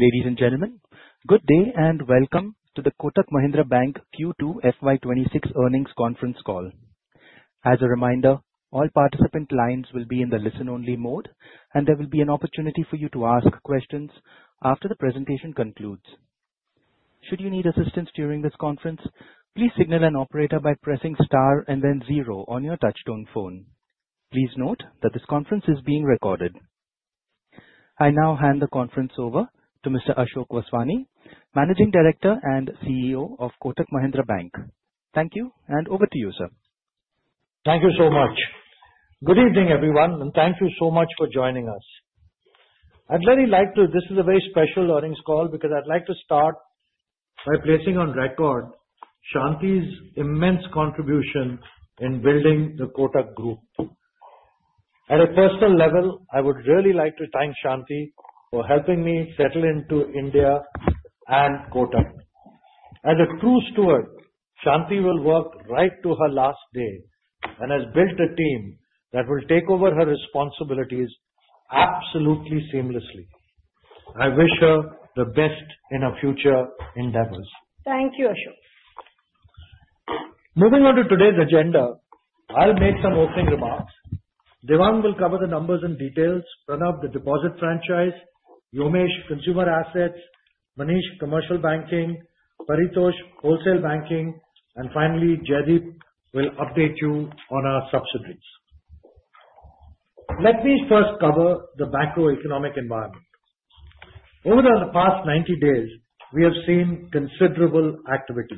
Ladies and gentlemen, good day and welcome to the Kotak Mahindra Bank Q2 FY26 Earnings Conference Call. As a reminder, all participant lines will be in the listen-only mode, and there will be an opportunity for you to ask questions after the presentation concludes. Should you need assistance during this conference, please signal an operator by pressing star and then zero on your touchtone phone. Please note that this conference is being recorded. I now hand the conference over to Mr. Ashok Vaswani, Managing Director and CEO of Kotak Mahindra Bank. Thank you, and over to you, sir. Thank you so much. Good evening, everyone, and thank you so much for joining us. I'd really like to. This is a very special earnings call because I'd like to start by placing on record Shanti's immense contribution in building the Kotak Group. At a personal level, I would really like to thank Shanti for helping me settle into India and Kotak. As a true steward, Shanti will work right to her last day and has built a team that will take over her responsibilities absolutely seamlessly. I wish her the best in her future endeavors. Thank you, Ashok. Moving on to today's agenda, I'll make some opening remarks. Devang will cover the numbers and details, Pranav, the deposit franchise, Vyomesh, consumer assets, Manish, commercial banking, Paritosh, wholesale banking, and finally, Jaideep will update you on our subsidiaries. Let me first cover the macroeconomic environment. Over the past 90 days, we have seen considerable activity.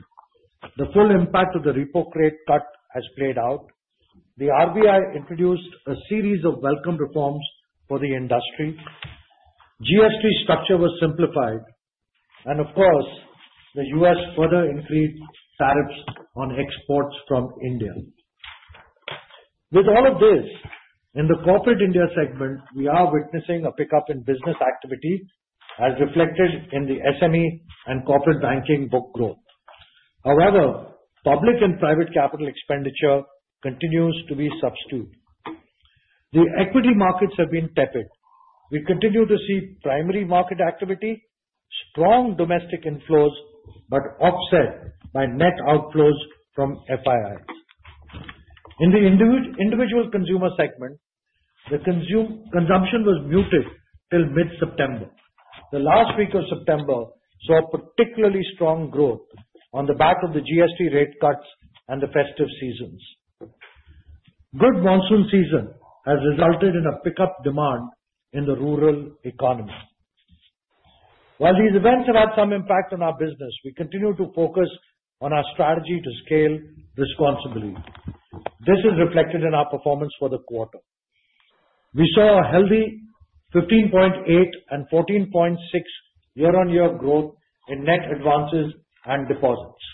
The full impact of the repo rate cut has played out. The RBI introduced a series of welcome reforms for the industry. GST structure was simplified. And of course, the U.S. further increased tariffs on exports from India. With all of this, in the corporate India segment, we are witnessing a pickup in business activity as reflected in the SME and corporate banking book growth. However, public and private capital expenditure continues to be subdued. The equity markets have been tepid. We continue to see primary market activity, strong domestic inflows, but offset by net outflows from FIIs. In the individual consumer segment, the consumption was muted till mid-September. The last week of September saw particularly strong growth on the back of the GST rate cuts and the festive seasons. Good monsoon season has resulted in a pickup demand in the rural economy. While these events have had some impact on our business, we continue to focus on our strategy to scale responsibly. This is reflected in our performance for the quarter. We saw a healthy 15.8 and 14.6 year-on-year growth in net advances and deposits.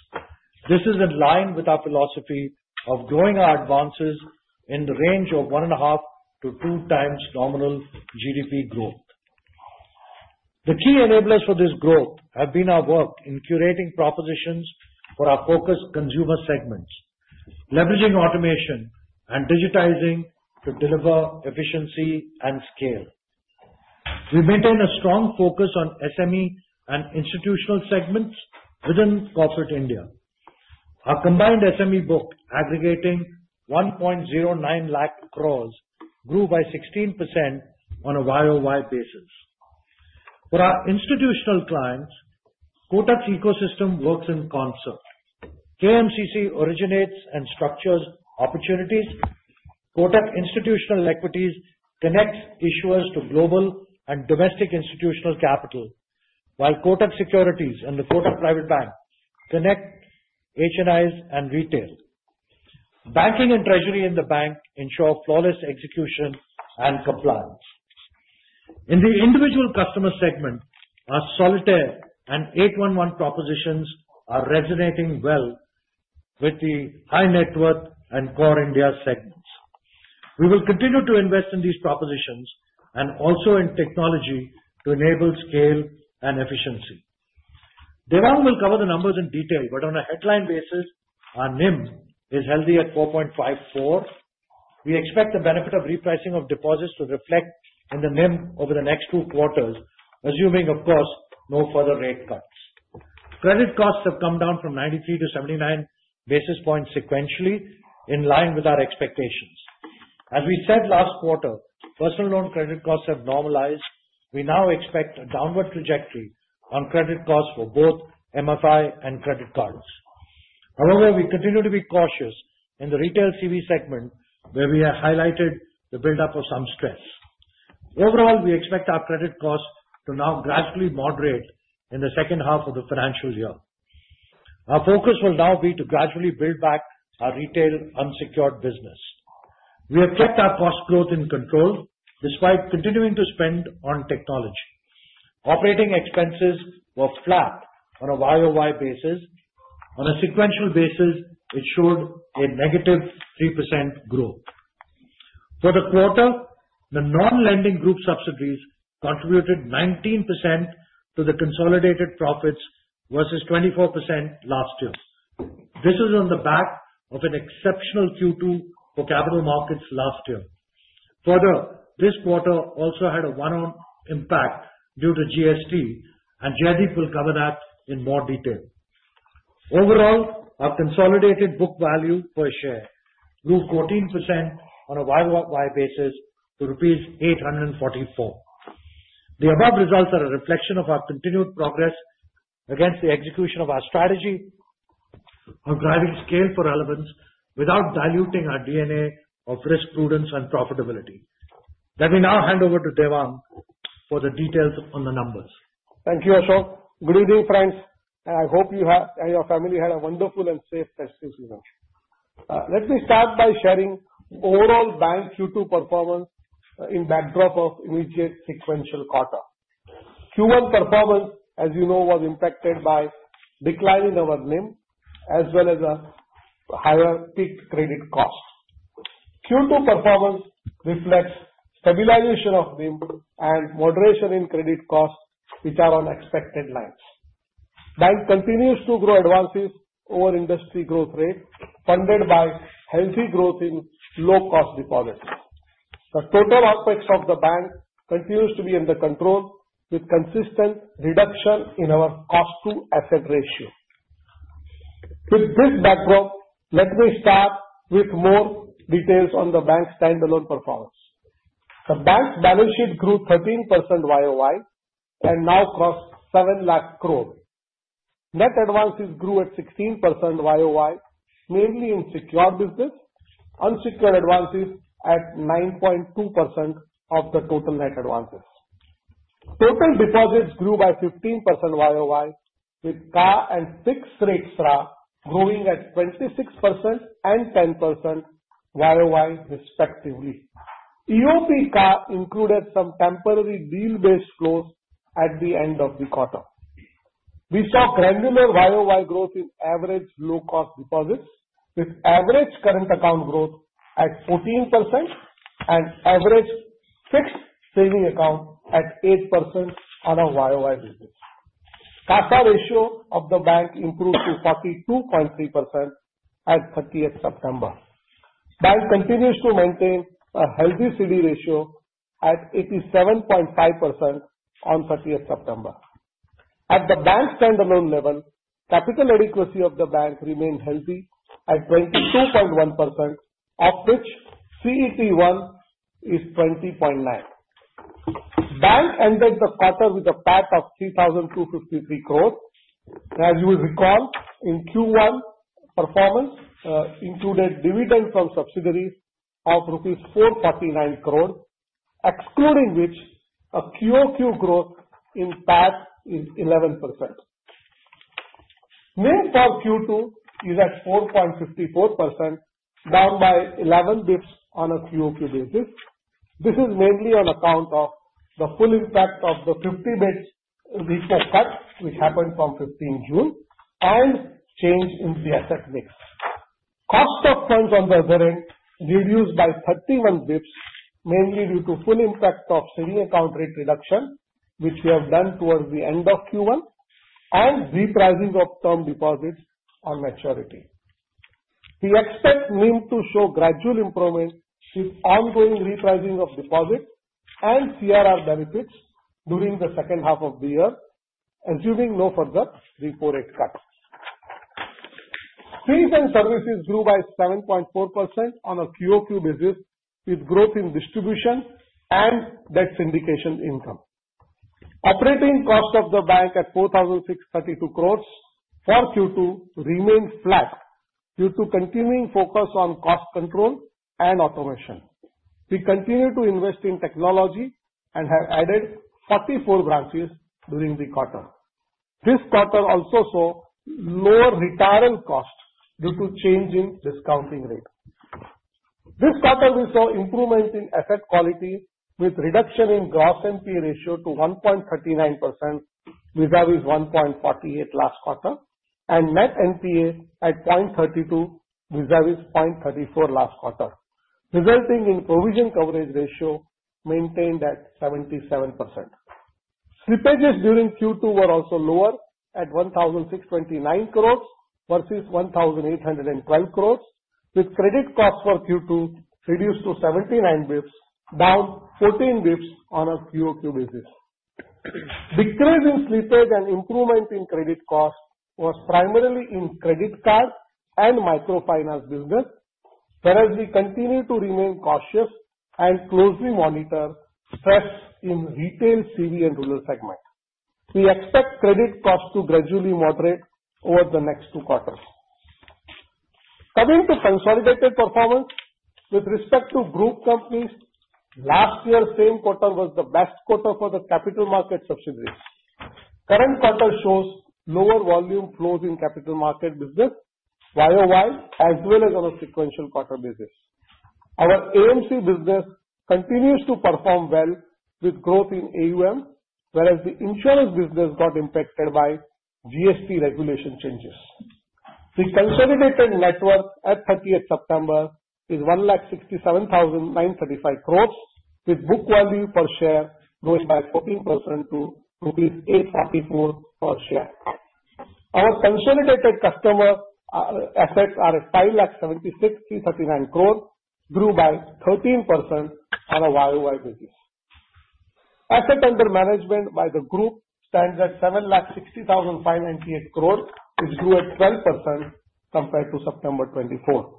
This is in line with our philosophy of growing our advances in the range of one and a half to two times nominal GDP growth. The key enablers for this growth have been our work in curating propositions for our focused consumer segments, leveraging automation and digitizing to deliver efficiency and scale. We maintain a strong focus on SME and institutional segments within corporate India. Our combined SME book aggregating 1.09 lakh crores grew by 16% on a YOY basis. For our institutional clients, Kotak's ecosystem works in concert. KMCC originates and structures opportunities. Kotak Institutional Equities connect issuers to global and domestic institutional capital, while Kotak Securities and the Kotak Private Banking connect HNIs and retail. Banking and treasury in the bank ensure flawless execution and compliance. In the individual customer segment, our Solitaire and 811 propositions are resonating well with the high net worth and core India segments. We will continue to invest in these propositions and also in technology to enable scale and efficiency. Devang will cover the numbers in detail, but on a headline basis, our NIM is healthy at 4.54. We expect the benefit of repricing of deposits to reflect in the NIM over the next two quarters, assuming, of course, no further rate cuts. Credit costs have come down from 93 to 79 basis points sequentially, in line with our expectations. As we said last quarter, personal loan credit costs have normalized. We now expect a downward trajectory on credit costs for both MFI and credit cards. However, we continue to be cautious in the retail CV segment, where we have highlighted the buildup of some stress. Overall, we expect our credit costs to now gradually moderate in the second half of the financial year. Our focus will now be to gradually build back our retail unsecured business. We have kept our cost growth in control despite continuing to spend on technology. Operating expenses were flat on a YOY basis. On a sequential basis, it showed a negative 3% growth. For the quarter, the non-lending group subsidiaries contributed 19% to the consolidated profits versus 24% last year. This was on the back of an exceptional Q2 for capital markets last year. Further, this quarter also had a one-off impact due to GST, and Jaideep will cover that in more detail. Overall, our consolidated book value per share grew 14% on a YOY basis to Rs 844. The above results are a reflection of our continued progress against the execution of our strategy of driving scale for relevance without diluting our DNA of risk prudence and profitability. Let me now hand over to Devang for the details on the numbers. Thank you, Ashok. Good evening, friends, and I hope you and your family had a wonderful and safe festive season. Let me start by sharing overall bank Q2 performance in backdrop of immediate sequential quarter, Q1 performance, as you know, was impacted by declining our NIM as well as a higher peak credit cost. Q2 performance reflects stabilization of NIM and moderation in credit costs, which are on expected lines. Bank continues to grow advances over industry growth rate, funded by healthy growth in low-cost deposits. The total expenses of the bank continue to be under control with consistent reduction in our cost-to-asset ratio. With this backdrop, let me start with more details on the bank standalone performance. The bank's balance sheet grew 13% YOY and now crossed 7 lakh crore. Net advances grew at 16% YOY, mainly in secured business. Unsecured advances at 9.2% of the total net advances. Total deposits grew by 15% YOY, with CASA and fixed rates growing at 26% and 10% YOY respectively. EOP CASA included some temporary deal-based flows at the end of the quarter. We saw granular YOY growth in average low-cost deposits, with average current account growth at 14% and average fixed saving account at 8% on a YOY basis. CASA ratio of the bank improved to 42.3% at 30th September. Bank continues to maintain a healthy CD ratio at 87.5% on 30th September. At the bank standalone level, capital adequacy of the bank remained healthy at 22.1%, of which CET1 is 20.9. Bank ended the quarter with a PAT of 3,253 crore. As you will recall, in Q1, performance included dividend from subsidiaries of rupees 449 crore, excluding which a QOQ growth in PAT is 11%. NIM for Q2 is at 4.54%, down by 11 basis points on a QOQ basis. This is mainly on account of the full impact of the 50 basis points repo cut, which happened from 15th June and change in the asset mix. Cost of funds on the other end reduced by 31 basis points, mainly due to full impact of savings account rate reduction, which we have done towards the end of Q1 and repricing of term deposits on maturity. We expect NIM to show gradual improvement with ongoing repricing of deposits and CRR benefits during the second half of the year, assuming no further repo rate cuts. Fees and services grew by 7.4% on a QOQ basis, with growth in distribution and debt syndication income. Operating cost of the bank at 4,632 crores for Q2 remained flat due to continuing focus on cost control and automation. We continue to invest in technology and have added 44 branches during the quarter. This quarter also saw lower retirement costs due to change in discounting rate. This quarter, we saw improvement in asset quality with reduction in gross NPA ratio to 1.39% vis-à-vis 1.48% last quarter and net NPA at 0.32% vis-à-vis 0.34% last quarter, resulting in provision coverage ratio maintained at 77%. Slippages during Q2 were also lower at 1,629 crores versus 1,812 crores, with credit costs for Q2 reduced to 79 basis points, down 14 basis points on a QOQ basis. Decrease in slippage and improvement in credit costs was primarily in credit card and microfinance business, whereas we continue to remain cautious and closely monitor stress in retail CV and rural segment. We expect credit costs to gradually moderate over the next two quarters. Coming to consolidated performance with respect to group companies, last year's same quarter was the best quarter for the capital market subsidiaries. Current quarter shows lower volume flows in capital market business YOY as well as on a sequential quarter basis. Our AMC business continues to perform well with growth in AUM, whereas the insurance business got impacted by GST regulation changes. The consolidated net worth at 30th September is 1,679.35 crores, with book value per share growing by 14% to rupees 844 per share. Our consolidated customer assets are at 5,763.39 crores, grew by 13% on a YOY basis. Assets under management by the group stands at 76,598 crores, which grew at 12% compared to September 2024.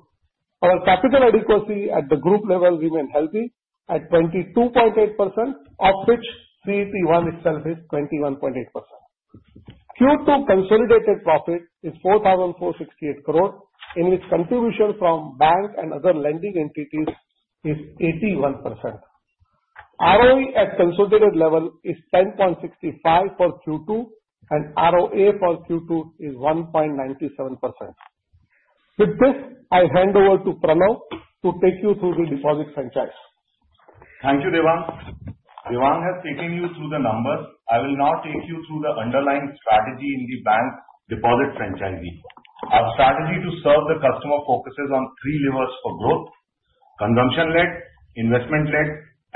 Our capital adequacy at the group level remained healthy at 22.8%, of which CET1 itself is 21.8%. Q2 consolidated profit is 4,468 crores, in which contribution from bank and other lending entities is 81%. ROE at consolidated level is 10.65% for Q2, and ROA for Q2 is 1.97%. With this, I hand over to Pranav to take you through the deposit franchise. Thank you, Devang. Devang has taken you through the numbers. I will now take you through the underlying strategy in the bank deposit franchise. Our strategy to serve the customer focuses on three levers for growth: consumption-led, investment-led,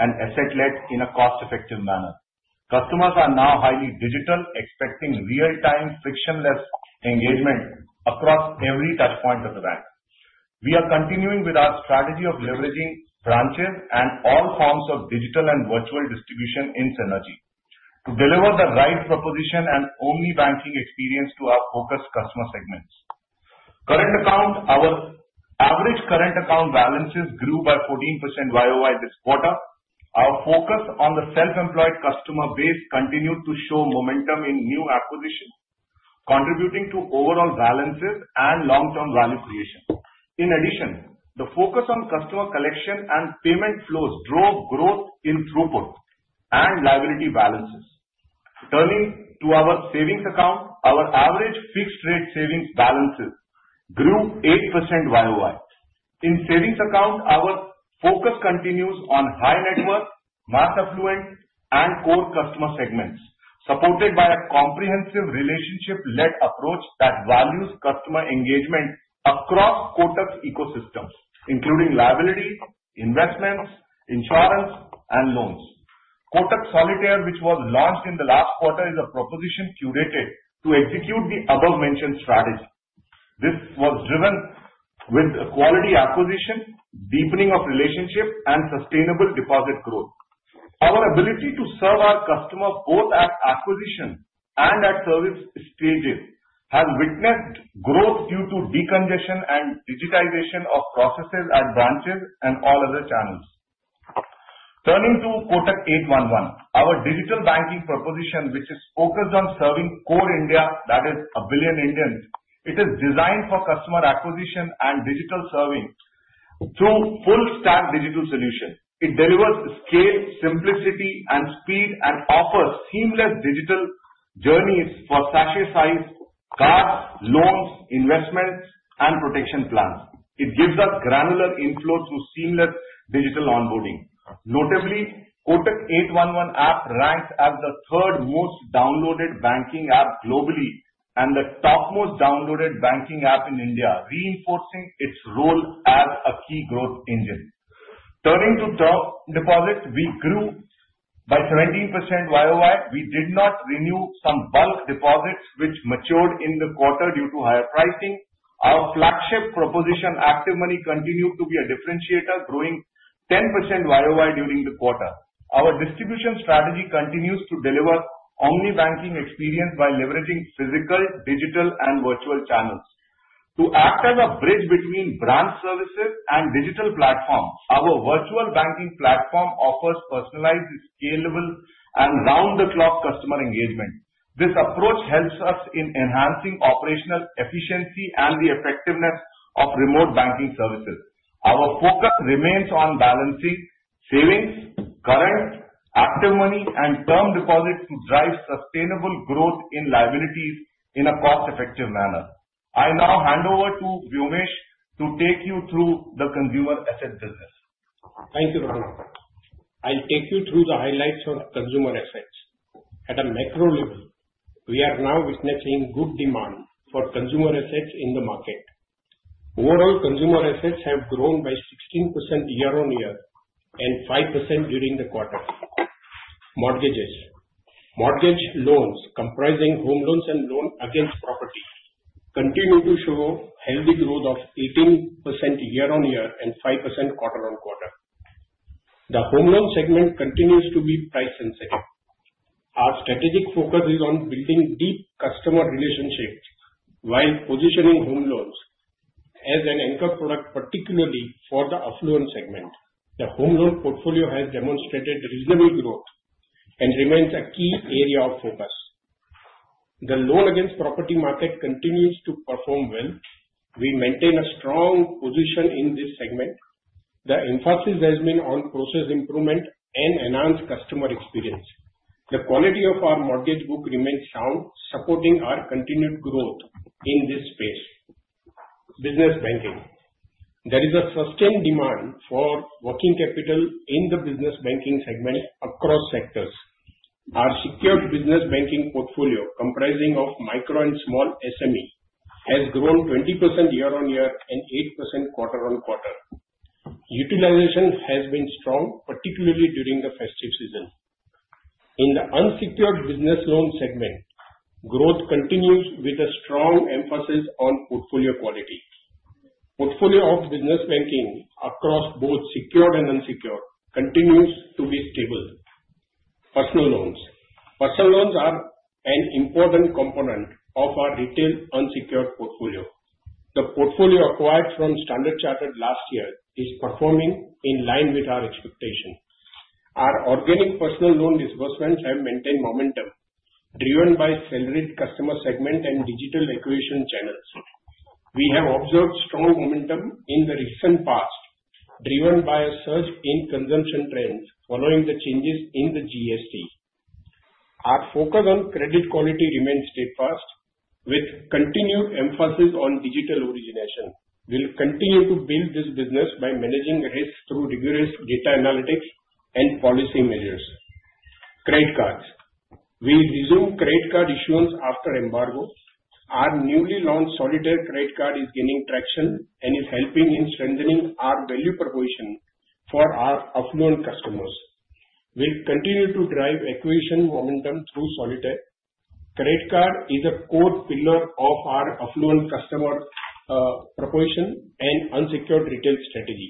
and asset-led in a cost-effective manner. Customers are now highly digital, expecting real-time, frictionless engagement across every touchpoint of the bank. We are continuing with our strategy of leveraging branches and all forms of digital and virtual distribution in synergy to deliver the right proposition and only banking experience to our focused customer segments. Current account, our average current account balances grew by 14% YOY this quarter. Our focus on the self-employed customer base continued to show momentum in new acquisitions, contributing to overall balances and long-term value creation. In addition, the focus on customer collection and payment flows drove growth in throughput and liability balances. Turning to our savings account, our average fixed rate savings balances grew 8% YOY. In savings account, our focus continues on high net worth, mass affluent, and core customer segments, supported by a comprehensive relationship-led approach that values customer engagement across Kotak's ecosystems, including liabilities, investments, insurance, and loans. Kotak Solitaire, which was launched in the last quarter, is a proposition curated to execute the above-mentioned strategy. This was driven with quality acquisition, deepening of relationship, and sustainable deposit growth. Our ability to serve our customers both at acquisition and at service stages has witnessed growth due to decongestion and digitization of processes at branches and all other channels. Turning to Kotak 811, our digital banking proposition, which is focused on serving core India, that is a billion Indians, it is designed for customer acquisition and digital serving through full-stack digital solution. It delivers scale, simplicity, and speed, and offers seamless digital journeys for sachet-sized cards, loans, investments, and protection plans. It gives us granular inflow through seamless digital onboarding. Notably, Kotak 811 app ranks as the third most downloaded banking app globally and the topmost downloaded banking app in India, reinforcing its role as a key growth engine. Turning to term deposits, we grew by 17% YOY. We did not renew some bulk deposits, which matured in the quarter due to higher pricing. Our flagship proposition, ActivMoney, continued to be a differentiator, growing 10% YOY during the quarter. Our distribution strategy continues to deliver omni-banking experience by leveraging physical, digital, and virtual channels to act as a bridge between branch services and digital platforms. Our virtual banking platform offers personalized, scalable, and round-the-clock customer engagement. This approach helps us in enhancing operational efficiency and the effectiveness of remote banking services. Our focus remains on balancing savings, current, ActivMoney, and term deposits to drive sustainable growth in liabilities in a cost-effective manner. I now hand over to Vyomesh to take you through the consumer asset business. Thank you, Pranav. I'll take you through the highlights of consumer assets. At a macro level, we are now witnessing good demand for consumer assets in the market. Overall, consumer assets have grown by 16% year-on-year and 5% during the quarter. Mortgages, mortgage loans comprising home loans and loans against property continue to show healthy growth of 18% year-on-year and 5% quarter-on-quarter. The home loan segment continues to be price-sensitive. Our strategic focus is on building deep customer relationships while positioning home loans as an anchor product, particularly for the affluent segment. The home loan portfolio has demonstrated reasonable growth and remains a key area of focus. The loan against property market continues to perform well. We maintain a strong position in this segment. The emphasis has been on process improvement and enhanced customer experience. The quality of our mortgage book remains sound, supporting our continued growth in this space. Business banking, there is a sustained demand for working capital in the business banking segment across sectors. Our secured business banking portfolio, comprising of micro and small SME, has grown 20% year-on-year and 8% quarter-on-quarter. Utilization has been strong, particularly during the festive season. In the unsecured business loan segment, growth continues with a strong emphasis on portfolio quality. Portfolio of business banking across both secured and unsecured continues to be stable. Personal loans, personal loans are an important component of our retail unsecured portfolio. The portfolio acquired from Standard Chartered last year is performing in line with our expectation. Our organic personal loan disbursements have maintained momentum, driven by salaried customer segment and digital acquisition channels. We have observed strong momentum in the recent past, driven by a surge in consumption trends following the changes in the GST. Our focus on credit quality remains steadfast, with continued emphasis on digital origination. We'll continue to build this business by managing risk through rigorous data analytics and policy measures. Credit cards. We resume credit card issuance after embargo. Our newly launched Solitaire credit card is gaining traction and is helping in strengthening our value proposition for our affluent customers. We'll continue to drive acquisition momentum through Solitaire. Credit card is a core pillar of our affluent customer proposition and unsecured retail strategy.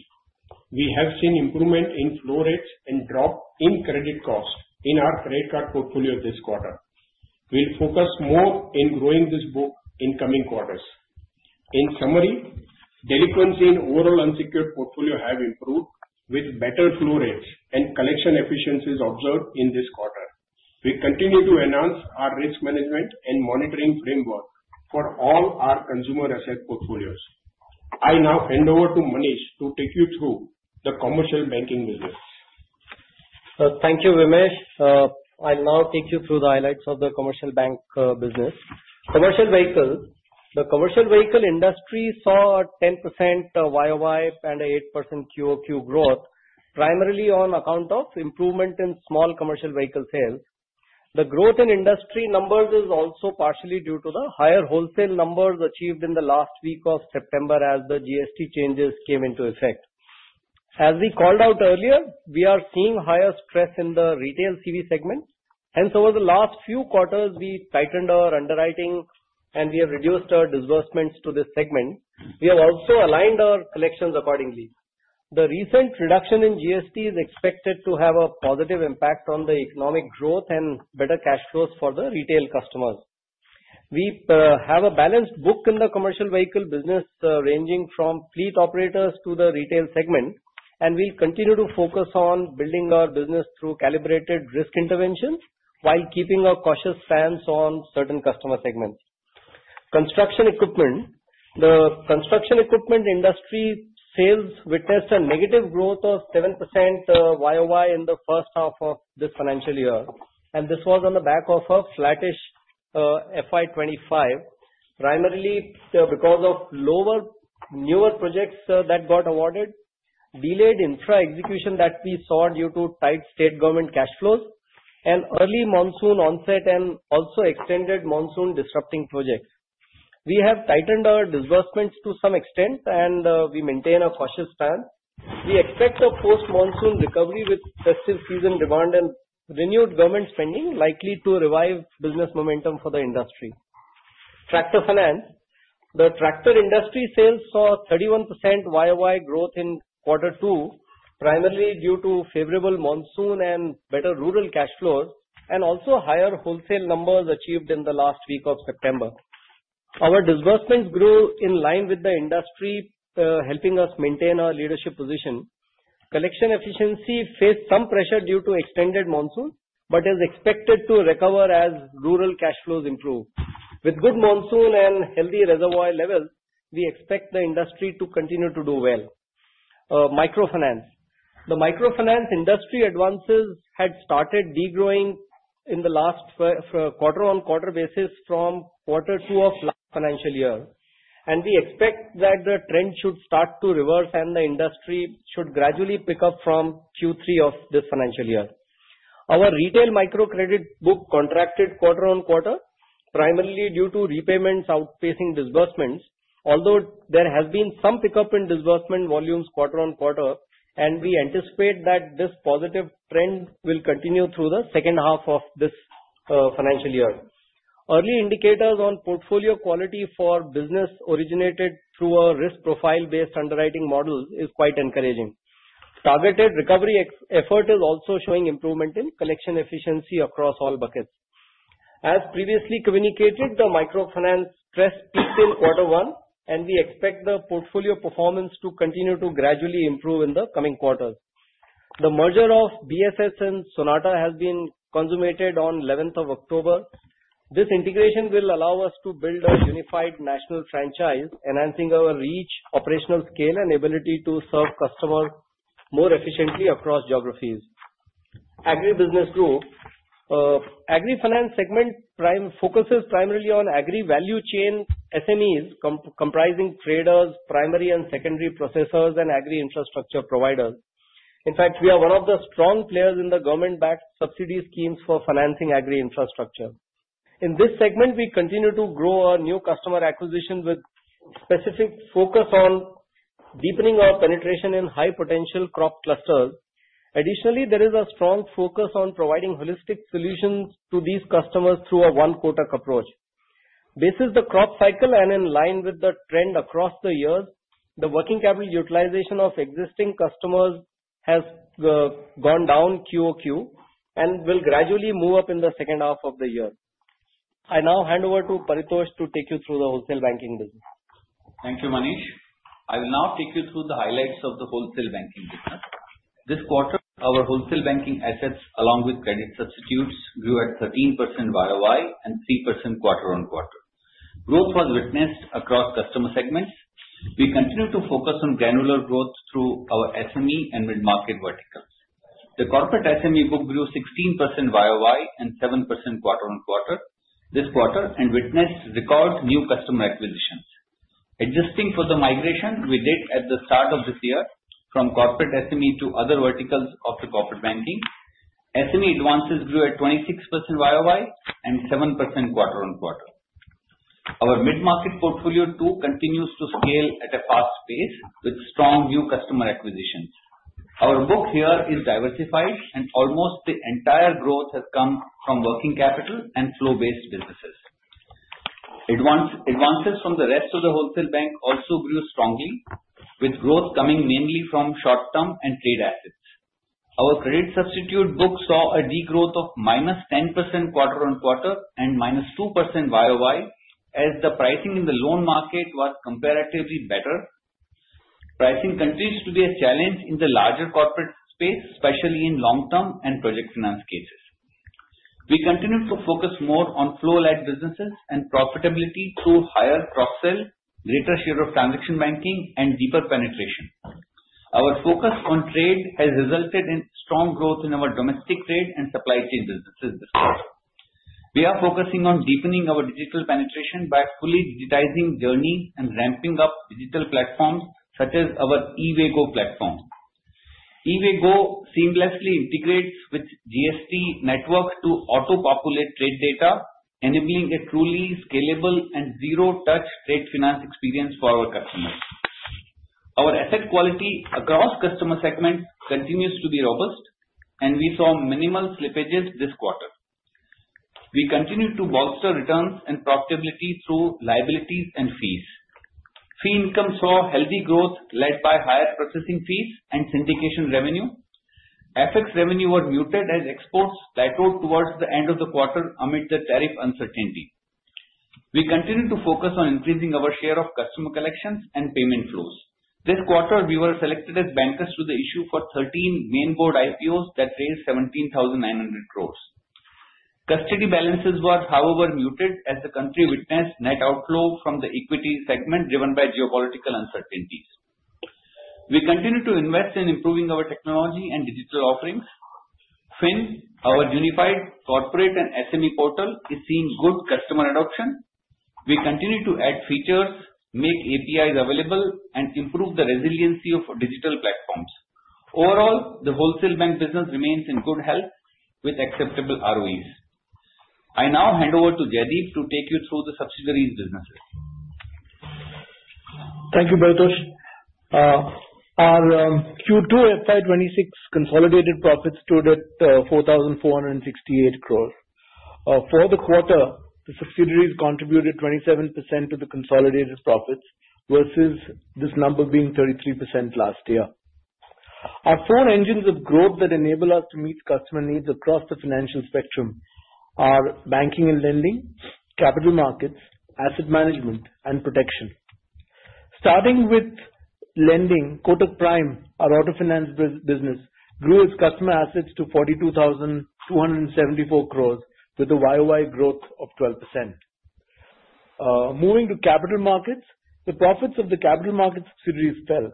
We have seen improvement in flow rates and drop in credit costs in our credit card portfolio this quarter. We'll focus more on growing this book in coming quarters. In summary, delinquency in overall unsecured portfolio has improved with better flow rates and collection efficiencies observed in this quarter. We continue to enhance our risk management and monitoring framework for all our consumer asset portfolios. I now hand over to Manish to take you through the commercial banking business. Thank you, Vyomesh. I'll now take you through the highlights of the commercial bank business. Commercial vehicle, the commercial vehicle industry saw a 10% YOY and an 8% QOQ growth, primarily on account of improvement in small commercial vehicle sales. The growth in industry numbers is also partially due to the higher wholesale numbers achieved in the last week of September as the GST changes came into effect. As we called out earlier, we are seeing higher stress in the retail CV segment. Hence, over the last few quarters, we tightened our underwriting and we have reduced our disbursements to this segment. We have also aligned our collections accordingly. The recent reduction in GST is expected to have a positive impact on the economic growth and better cash flows for the retail customers. We have a balanced book in the commercial vehicle business, ranging from fleet operators to the retail segment, and we'll continue to focus on building our business through calibrated risk interventions while keeping our cautious stance on certain customer segments. Construction equipment, the construction equipment industry sales witnessed a negative growth of 7% YOY in the first half of this financial year, and this was on the back of a flattish FY25, primarily because of lower newer projects that got awarded, delayed infra execution that we saw due to tight state government cash flows, and early monsoon onset and also extended monsoon disrupting projects. We have tightened our disbursements to some extent, and we maintain a cautious stance. We expect a post-monsoon recovery with festive season demand and renewed government spending likely to revive business momentum for the industry. Tractor finance, the tractor industry sales saw 31% YOY growth in quarter two, primarily due to favorable monsoon and better rural cash flows and also higher wholesale numbers achieved in the last week of September. Our disbursements grew in line with the industry, helping us maintain our leadership position. Collection efficiency faced some pressure due to extended monsoon, but is expected to recover as rural cash flows improve. With good monsoon and healthy reservoir levels, we expect the industry to continue to do well. Microfinance, the microfinance industry advances had started degrowing in the last quarter-on-quarter basis from quarter two of last financial year, and we expect that the trend should start to reverse and the industry should gradually pick up from Q3 of this financial year. Our retail microcredit book contracted quarter-on-quarter, primarily due to repayments outpacing disbursements, although there has been some pickup in disbursement volumes quarter-on-quarter, and we anticipate that this positive trend will continue through the second half of this financial year. Early indicators on portfolio quality for business originated through a risk profile-based underwriting model is quite encouraging. Targeted recovery effort is also showing improvement in collection efficiency across all buckets. As previously communicated, the microfinance stress peaked in quarter one, and we expect the portfolio performance to continue to gradually improve in the coming quarters. The merger of BSS and Sonata has been consummated on 11th of October. This integration will allow us to build a unified national franchise, enhancing our reach, operational scale, and ability to serve customers more efficiently across geographies. Agribusiness growth, agrifinance segment focuses primarily on agri value chain SMEs comprising traders, primary and secondary processors, and agri infrastructure providers. In fact, we are one of the strong players in the government-backed subsidy schemes for financing agri infrastructure. In this segment, we continue to grow our new customer acquisition with specific focus on deepening our penetration in high potential crop clusters. Additionally, there is a strong focus on providing holistic solutions to these customers through a One Kotak approach. Based on the crop cycle and in line with the trend across the years, the working capital utilization of existing customers has gone down QOQ and will gradually move up in the second half of the year. I now hand over to Paritosh to take you through the wholesale banking business. Thank you, Manish. I will now take you through the highlights of the wholesale banking business. This quarter, our wholesale banking assets, along with credit substitutes, grew at 13% YOY and 3% quarter-on-quarter. Growth was witnessed across customer segments. We continue to focus on granular growth through our SME and mid-market verticals. The corporate SME book grew 16% YOY and 7% quarter-on-quarter this quarter and witnessed record new customer acquisitions. Excluding the migration we did at the start of this year from corporate SME to other verticals of the corporate banking, SME advances grew at 26% YOY and 7% quarter-on-quarter. Our mid-market portfolio too continues to scale at a fast pace with strong new customer acquisitions. Our book here is diversified, and almost the entire growth has come from working capital and flow-based businesses. Advances from the rest of the wholesale bank also grew strongly, with growth coming mainly from short-term and trade assets. Our credit substitute book saw a degrowth of minus 10% quarter-on-quarter and minus 2% YOY as the pricing in the loan market was comparatively better. Pricing continues to be a challenge in the larger corporate space, especially in long-term and project finance cases. We continue to focus more on flow-like businesses and profitability through higher cross-sell, greater share of transaction banking, and deeper penetration. Our focus on trade has resulted in strong growth in our domestic trade and supply chain businesses this quarter. We are focusing on deepening our digital penetration by fully digitizing journey and ramping up digital platforms such as our E-WayGo platform. E-WayGo seamlessly integrates with GST Network to auto-populate trade data, enabling a truly scalable and zero-touch trade finance experience for our customers. Our asset quality across customer segment continues to be robust, and we saw minimal slippages this quarter. We continue to bolster returns and profitability through liabilities and fees. Fee income saw healthy growth led by higher processing fees and syndication revenue. FX revenue was muted as exports plateaued towards the end of the quarter amid the tariff uncertainty. We continue to focus on increasing our share of customer collections and payment flows. This quarter, we were selected as bankers to the issue for 13 mainboard IPOs that raised 17,900 crores. Custody balances were, however, muted as the country witnessed net outflow from the equity segment driven by geopolitical uncertainties. We continue to invest in improving our technology and digital offerings. fyn, our unified corporate and SME portal, is seeing good customer adoption. We continue to add features, make APIs available, and improve the resiliency of digital platforms. Overall, the wholesale bank business remains in good health with acceptable ROEs. I now hand over to Jaideep to take you through the subsidiaries businesses. Thank you, Paritosh. Our Q2 FY26 consolidated profits stood at 4,468 crores. For the quarter, the subsidiaries contributed 27% to the consolidated profits versus this number being 33% last year. Our four engines of growth that enable us to meet customer needs across the financial spectrum are banking and lending, capital markets, asset management, and protection. Starting with lending, Kotak Prime, our auto finance business, grew its customer assets to 42,274 crores with a YOY growth of 12%. Moving to capital markets, the profits of the capital market subsidiaries fell.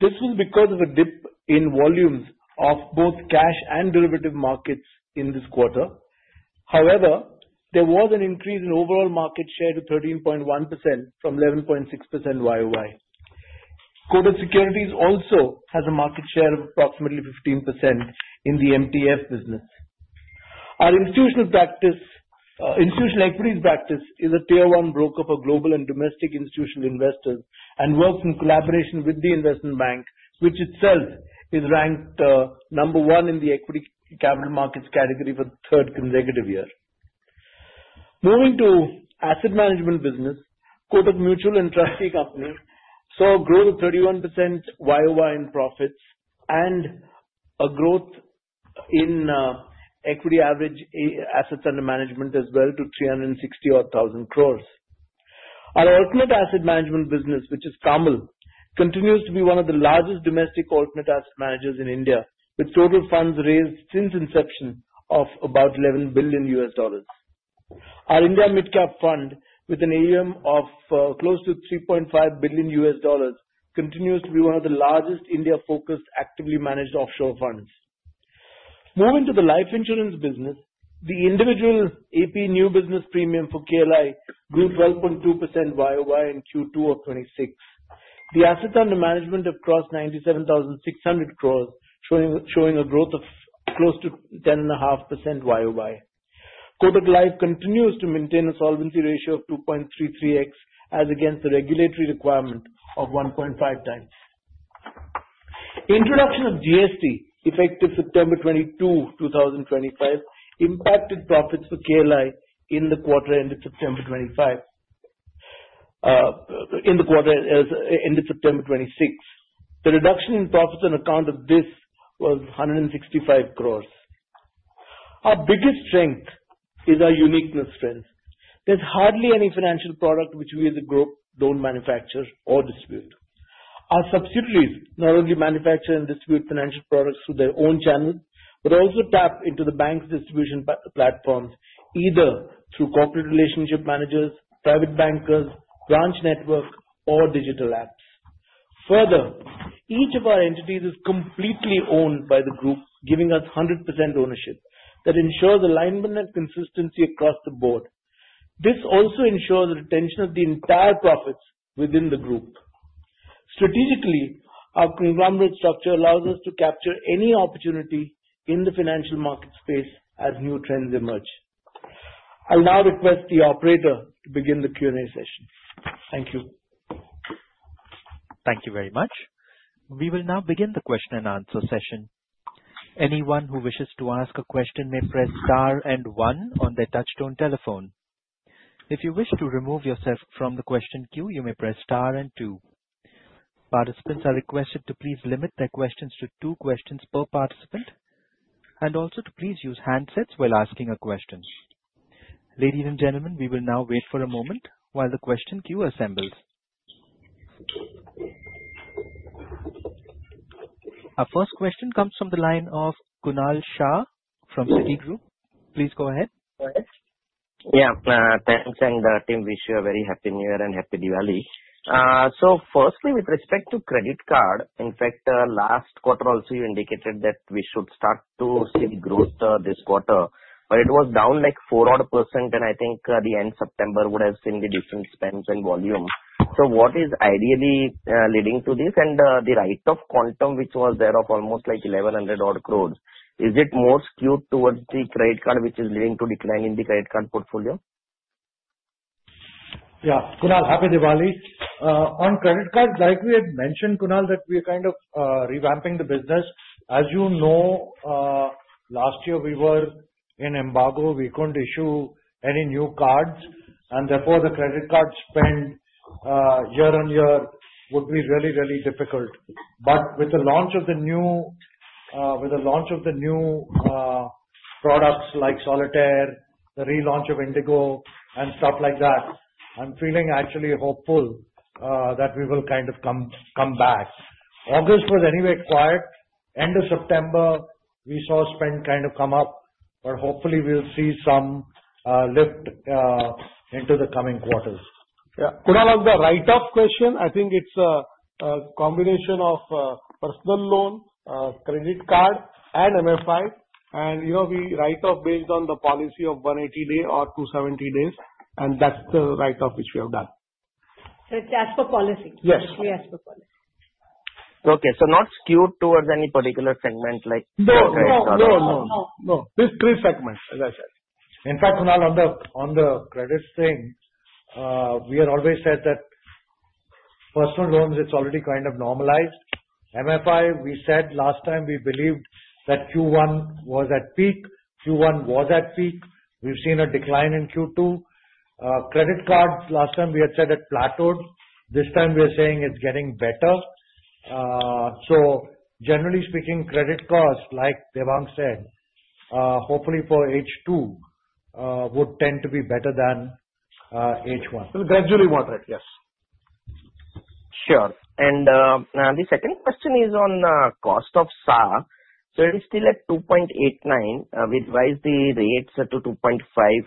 This was because of a dip in volumes of both cash and derivative markets in this quarter. However, there was an increase in overall market share to 13.1% from 11.6% YOY. Kotak Securities also has a market share of approximately 15% in the MTF business. Our institutional equities practice is a tier-one broker for global and domestic institutional investors and works in collaboration with the investment bank, which itself is ranked number one in the equity capital markets category for the third consecutive year. Moving to asset management business, Kotak Mahindra Asset Management and Trustee Company saw a growth of 31% YOY in profits and a growth in equity average assets under management as well to 360,000 crores. Our alternate asset management business, which is KAAML, continues to be one of the largest domestic alternate asset managers in India, with total funds raised since inception of about $11 billion. Our India Midcap Fund, with an AUM of close to $3.5 billion, continues to be one of the largest India-focused actively managed offshore funds. Moving to the life insurance business, the individual AP new business premium for KLI grew 12.2% YOY in Q2 of 2026. The assets under management have crossed 97,600 crores, showing a growth of close to 10.5% YOY. Kotak Life continues to maintain a solvency ratio of 2.33x as against the regulatory requirement of 1.5 times. Introduction of GST, effective September 22, 2025, impacted profits for KLI in the quarter ended September 2025, in the quarter ended September 2026. The reduction in profits on account of this was 165 crores. Our biggest strength is our uniqueness strength. There's hardly any financial product which we as a group don't manufacture or distribute. Our subsidiaries not only manufacture and distribute financial products through their own channels but also tap into the bank's distribution platforms either through corporate relationship managers, private bankers, branch network, or digital apps. Further, each of our entities is completely owned by the group, giving us 100% ownership that ensures alignment and consistency across the board. This also ensures the retention of the entire profits within the group. Strategically, our conglomerate structure allows us to capture any opportunity in the financial market space as new trends emerge. I'll now request the operator to begin the Q&A session. Thank you. Thank you very much. We will now begin the question and answer session. Anyone who wishes to ask a question may press star and one on their touch-tone telephone. If you wish to remove yourself from the question queue, you may press star and two. Participants are requested to please limit their questions to two questions per participant and also to please use handsets while asking a question. Ladies and gentlemen, we will now wait for a moment while the question queue assembles. Our first question comes from the line of Kunal Shah from Citigroup. Please go ahead. Yeah. Thanks, and Team, wish you a very happy New Year and happy Diwali. So firstly, with respect to credit card, in fact, last quarter also you indicated that we should start to see growth this quarter, but it was down like 4-odd%, and I think the end-September would have seen the decent spend and volume. So what is ideally leading to this and the write-off quantum, which was there of almost like 1,100 odd crores? Is it more skewed towards the credit card, which is leading to decline in the credit card portfolio? Yeah. Kunal, happy Diwali. On credit cards, like we had mentioned, Kunal, that we are kind of revamping the business. As you know, last year we were in embargo. We couldn't issue any new cards, and therefore the credit card spend year-on-year would be really, really difficult. But with the launch of the new, with the launch of the new products like Solitaire, the relaunch of IndiGo and stuff like that, I'm feeling actually hopeful that we will kind of come back. August was anyway quiet. End of September, we saw spend kind of come up, but hopefully we'll see some lift into the coming quarters. Yeah. Kunal, on the write-off question, I think it's a combination of personal loan, credit card, and MFI. And we write off based on the policy of 180 days or 270 days, and that's the write-off which we have done. So it's as per policy? Yes. We ask for policy. Okay, so not skewed towards any particular segment like credit card or? No, no, no, no. This is true segment, as I said. In fact, Kunal, on the credit thing, we had always said that personal loans, it's already kind of normalized. MFI, we said last time we believed that Q1 was at peak. Q1 was at peak. We've seen a decline in Q2. Credit cards, last time we had said it plateaued. This time we are saying it's getting better. So generally speaking, credit cards, like Devang said, hopefully for H2 would tend to be better than H1. We'll gradually moderate, yes. Sure. And the second question is on cost of SA rate. So it is still at 2.89. We advised the rates to 2.5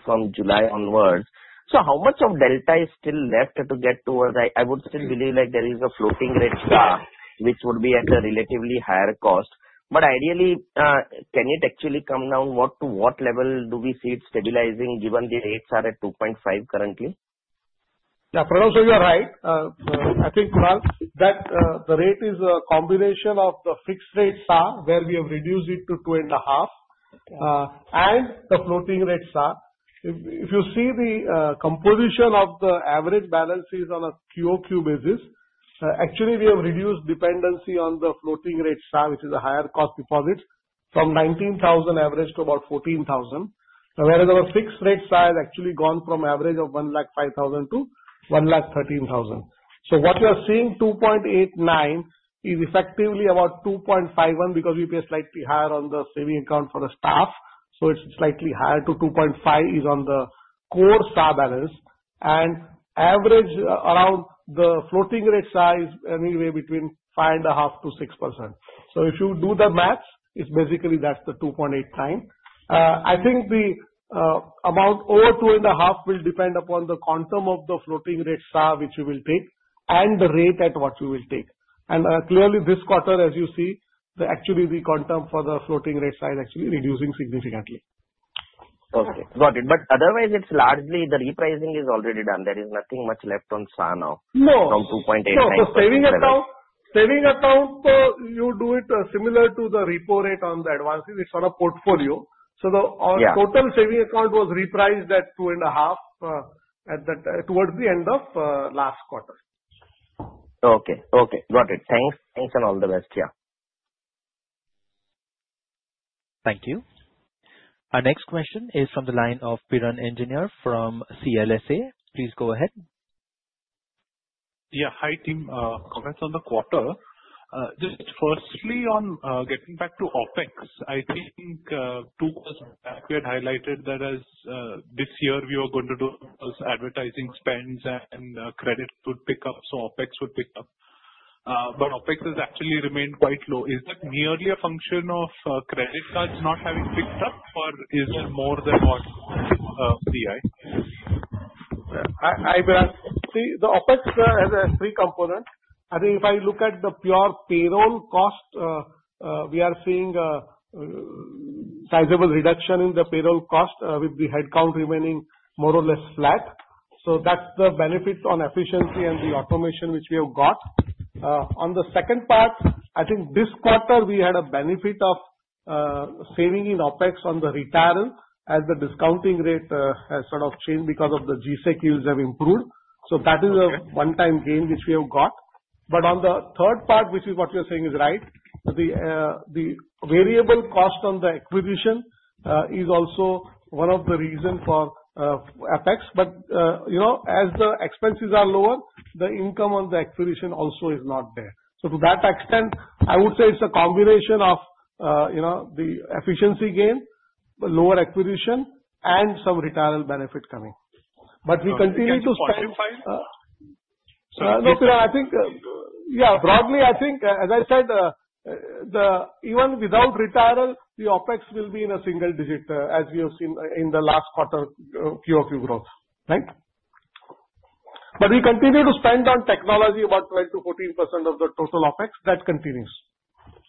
from July onwards. So how much of delta is still left to get towards? I would still believe like there is a floating rate SA, which would be at a relatively higher cost. But ideally, can it actually come down? What level do we see it stabilizing given the rates are at 2.5 currently? Yeah. Paritosh, you are right. I think, Kunal, that the rate is a combination of the fixed rate SAR, where we have reduced it to 2.5, and the floating rate SAR. If you see the composition of the average balance sheets on a QOQ basis, actually we have reduced dependency on the floating rate SAR, which is a higher cost deposit, from 19,000 average to about 14,000, whereas our fixed rate SAR has actually gone from average of 105,000 to 113,000. So what you are seeing, 2.89 is effectively about 2.51 because we pay slightly higher on the savings account for the staff. So it's slightly higher to 2.5 is on the core SAR balance. And average around the floating rate SAR is anywhere between 5.5%-6%. So if you do the math, it's basically that's the 2.89. I think the amount over 2.5 will depend upon the quantum of the floating rate SAR, which we will take, and the rate at what we will take, and clearly, this quarter, as you see, actually the quantum for the floating rate SAR is actually reducing significantly. Okay. Got it. But otherwise, it's largely the repricing is already done. There is nothing much left on SAR now. No. From 2.89. So the savings account, you do it similar to the repo rate on the advances. It's on a portfolio. So the total savings account was repriced at 2.5 towards the end of last quarter. Okay. Okay. Got it. Thanks. Thanks and all the best. Yeah. Thank you. Our next question is from the line of Piran Engineer from CLSA. Please go ahead. Yeah. Hi, Tim. Comments on the quarter. Just firstly, on getting back to OpEx, I think two months back we had highlighted that as this year we were going to do advertising spends and credit would pick up, so OpEx would pick up. But OpEx has actually remained quite low. Is that merely a function of credit cards not having picked up, or is there more than what we see? I will say the OpEx has three components. I think if I look at the pure payroll cost, we are seeing a sizable reduction in the payroll cost with the headcount remaining more or less flat. So that's the benefit on efficiency and the automation which we have got. On the second part, I think this quarter we had a benefit of saving in OpEx on the retirement as the discounting rate has sort of changed because of the G-Sec yields have improved. So that is a one-time gain which we have got. But on the third part, which is what you're saying is right, the variable cost on the acquisition is also one of the reasons for OpEx. But as the expenses are lower, the income on the acquisition also is not there. So to that extent, I would say it's a combination of the efficiency gain, lower acquisition, and some retirement benefit coming. But we continue to spend. So I'm sorry. No, Pira, I think, yeah, broadly, I think, as I said, even without retirement, the OpEx will be in a single digit as we have seen in the last quarter QOQ growth, right? But we continue to spend on technology about 12%-14% of the total OpEx. That continues.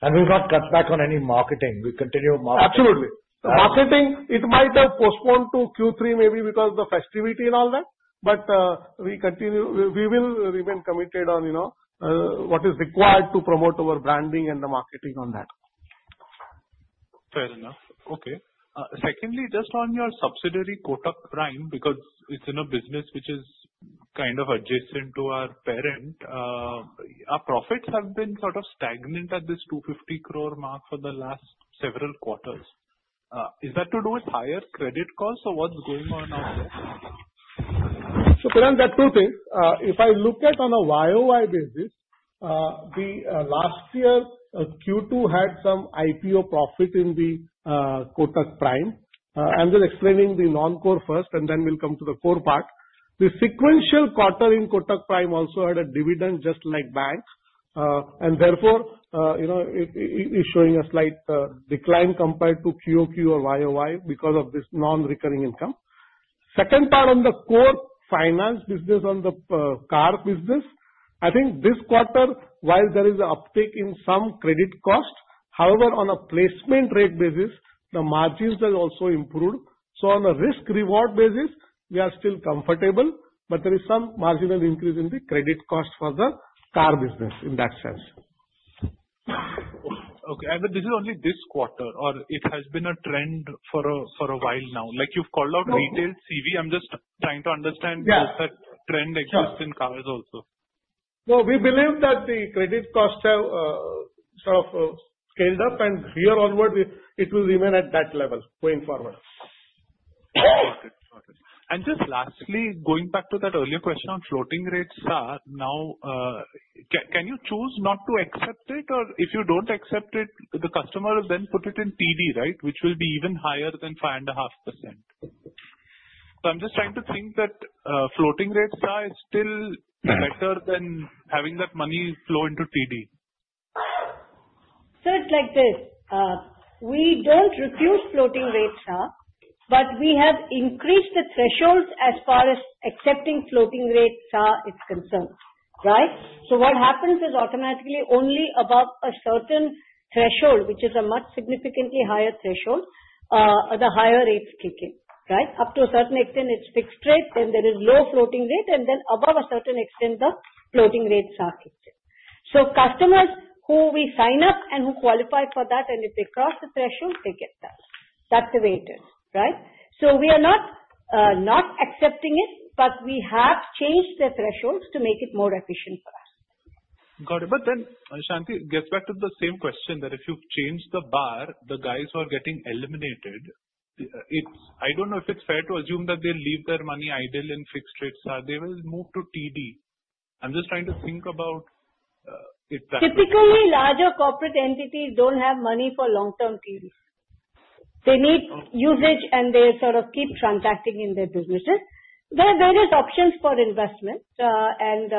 We've not cut back on any marketing. We continue marketing. Absolutely. Marketing, it might have postponed to Q3 maybe because of the festivity and all that. But we will remain committed on what is required to promote our branding and the marketing on that. Fair enough. Okay. Secondly, just on your subsidiary, Kotak Prime, because it's in a business which is kind of adjacent to our parent, our profits have been sort of stagnant at this 250 crore mark for the last several quarters. Is that to do with higher credit costs or what's going on out there? So Piran, that's two things. If I look at on a YOY basis, last year Q2 had some IPO profit in the Kotak Prime. I'm just explaining the non-core first, and then we'll come to the core part. The sequential quarter in Kotak Prime also had a dividend just like bank. And therefore, it is showing a slight decline compared to QOQ or YOY because of this non-recurring income. Second part on the core finance business, on the car business, I think this quarter, while there is an uptick in some credit cost, however, on a placement rate basis, the margins have also improved. So on a risk-reward basis, we are still comfortable, but there is some marginal increase in the credit cost for the car business in that sense. Okay, and this is only this quarter, or it has been a trend for a while now? Like, you've called out retail CV. I'm just trying to understand, does that trend exist in cars also? No, we believe that the credit costs have sort of scaled up, and here onward, it will remain at that level going forward. Got it. Got it. And just lastly, going back to that earlier question on floating rate SAR, now, can you choose not to accept it, or if you don't accept it, the customer will then put it in TD, right, which will be even higher than 5.5%? So I'm just trying to think that floating rate SAR is still better than having that money flow into TD. So it's like this. We don't refuse floating rate SAR, but we have increased the thresholds as far as accepting floating rate SAR is concerned, right? So what happens is automatically only above a certain threshold, which is a much significantly higher threshold, the higher rates kick in, right? Up to a certain extent, it's fixed rate, then there is low floating rate, and then above a certain extent, the floating rate SAR kicks in. So customers who we sign up and who qualify for that, and if they cross the threshold, they get that. That's the way it is, right? So we are not accepting it, but we have changed the thresholds to make it more efficient for us. Got it, but then Shanti, it gets back to the same question that if you change the bar, the guys who are getting eliminated, I don't know if it's fair to assume that they leave their money idle in fixed rate SAR. They will move to TD. I'm just trying to think about it that way. Typically, larger corporate entities don't have money for long-term TD. They need usage, and they sort of keep transacting in their businesses. There are various options for investment, and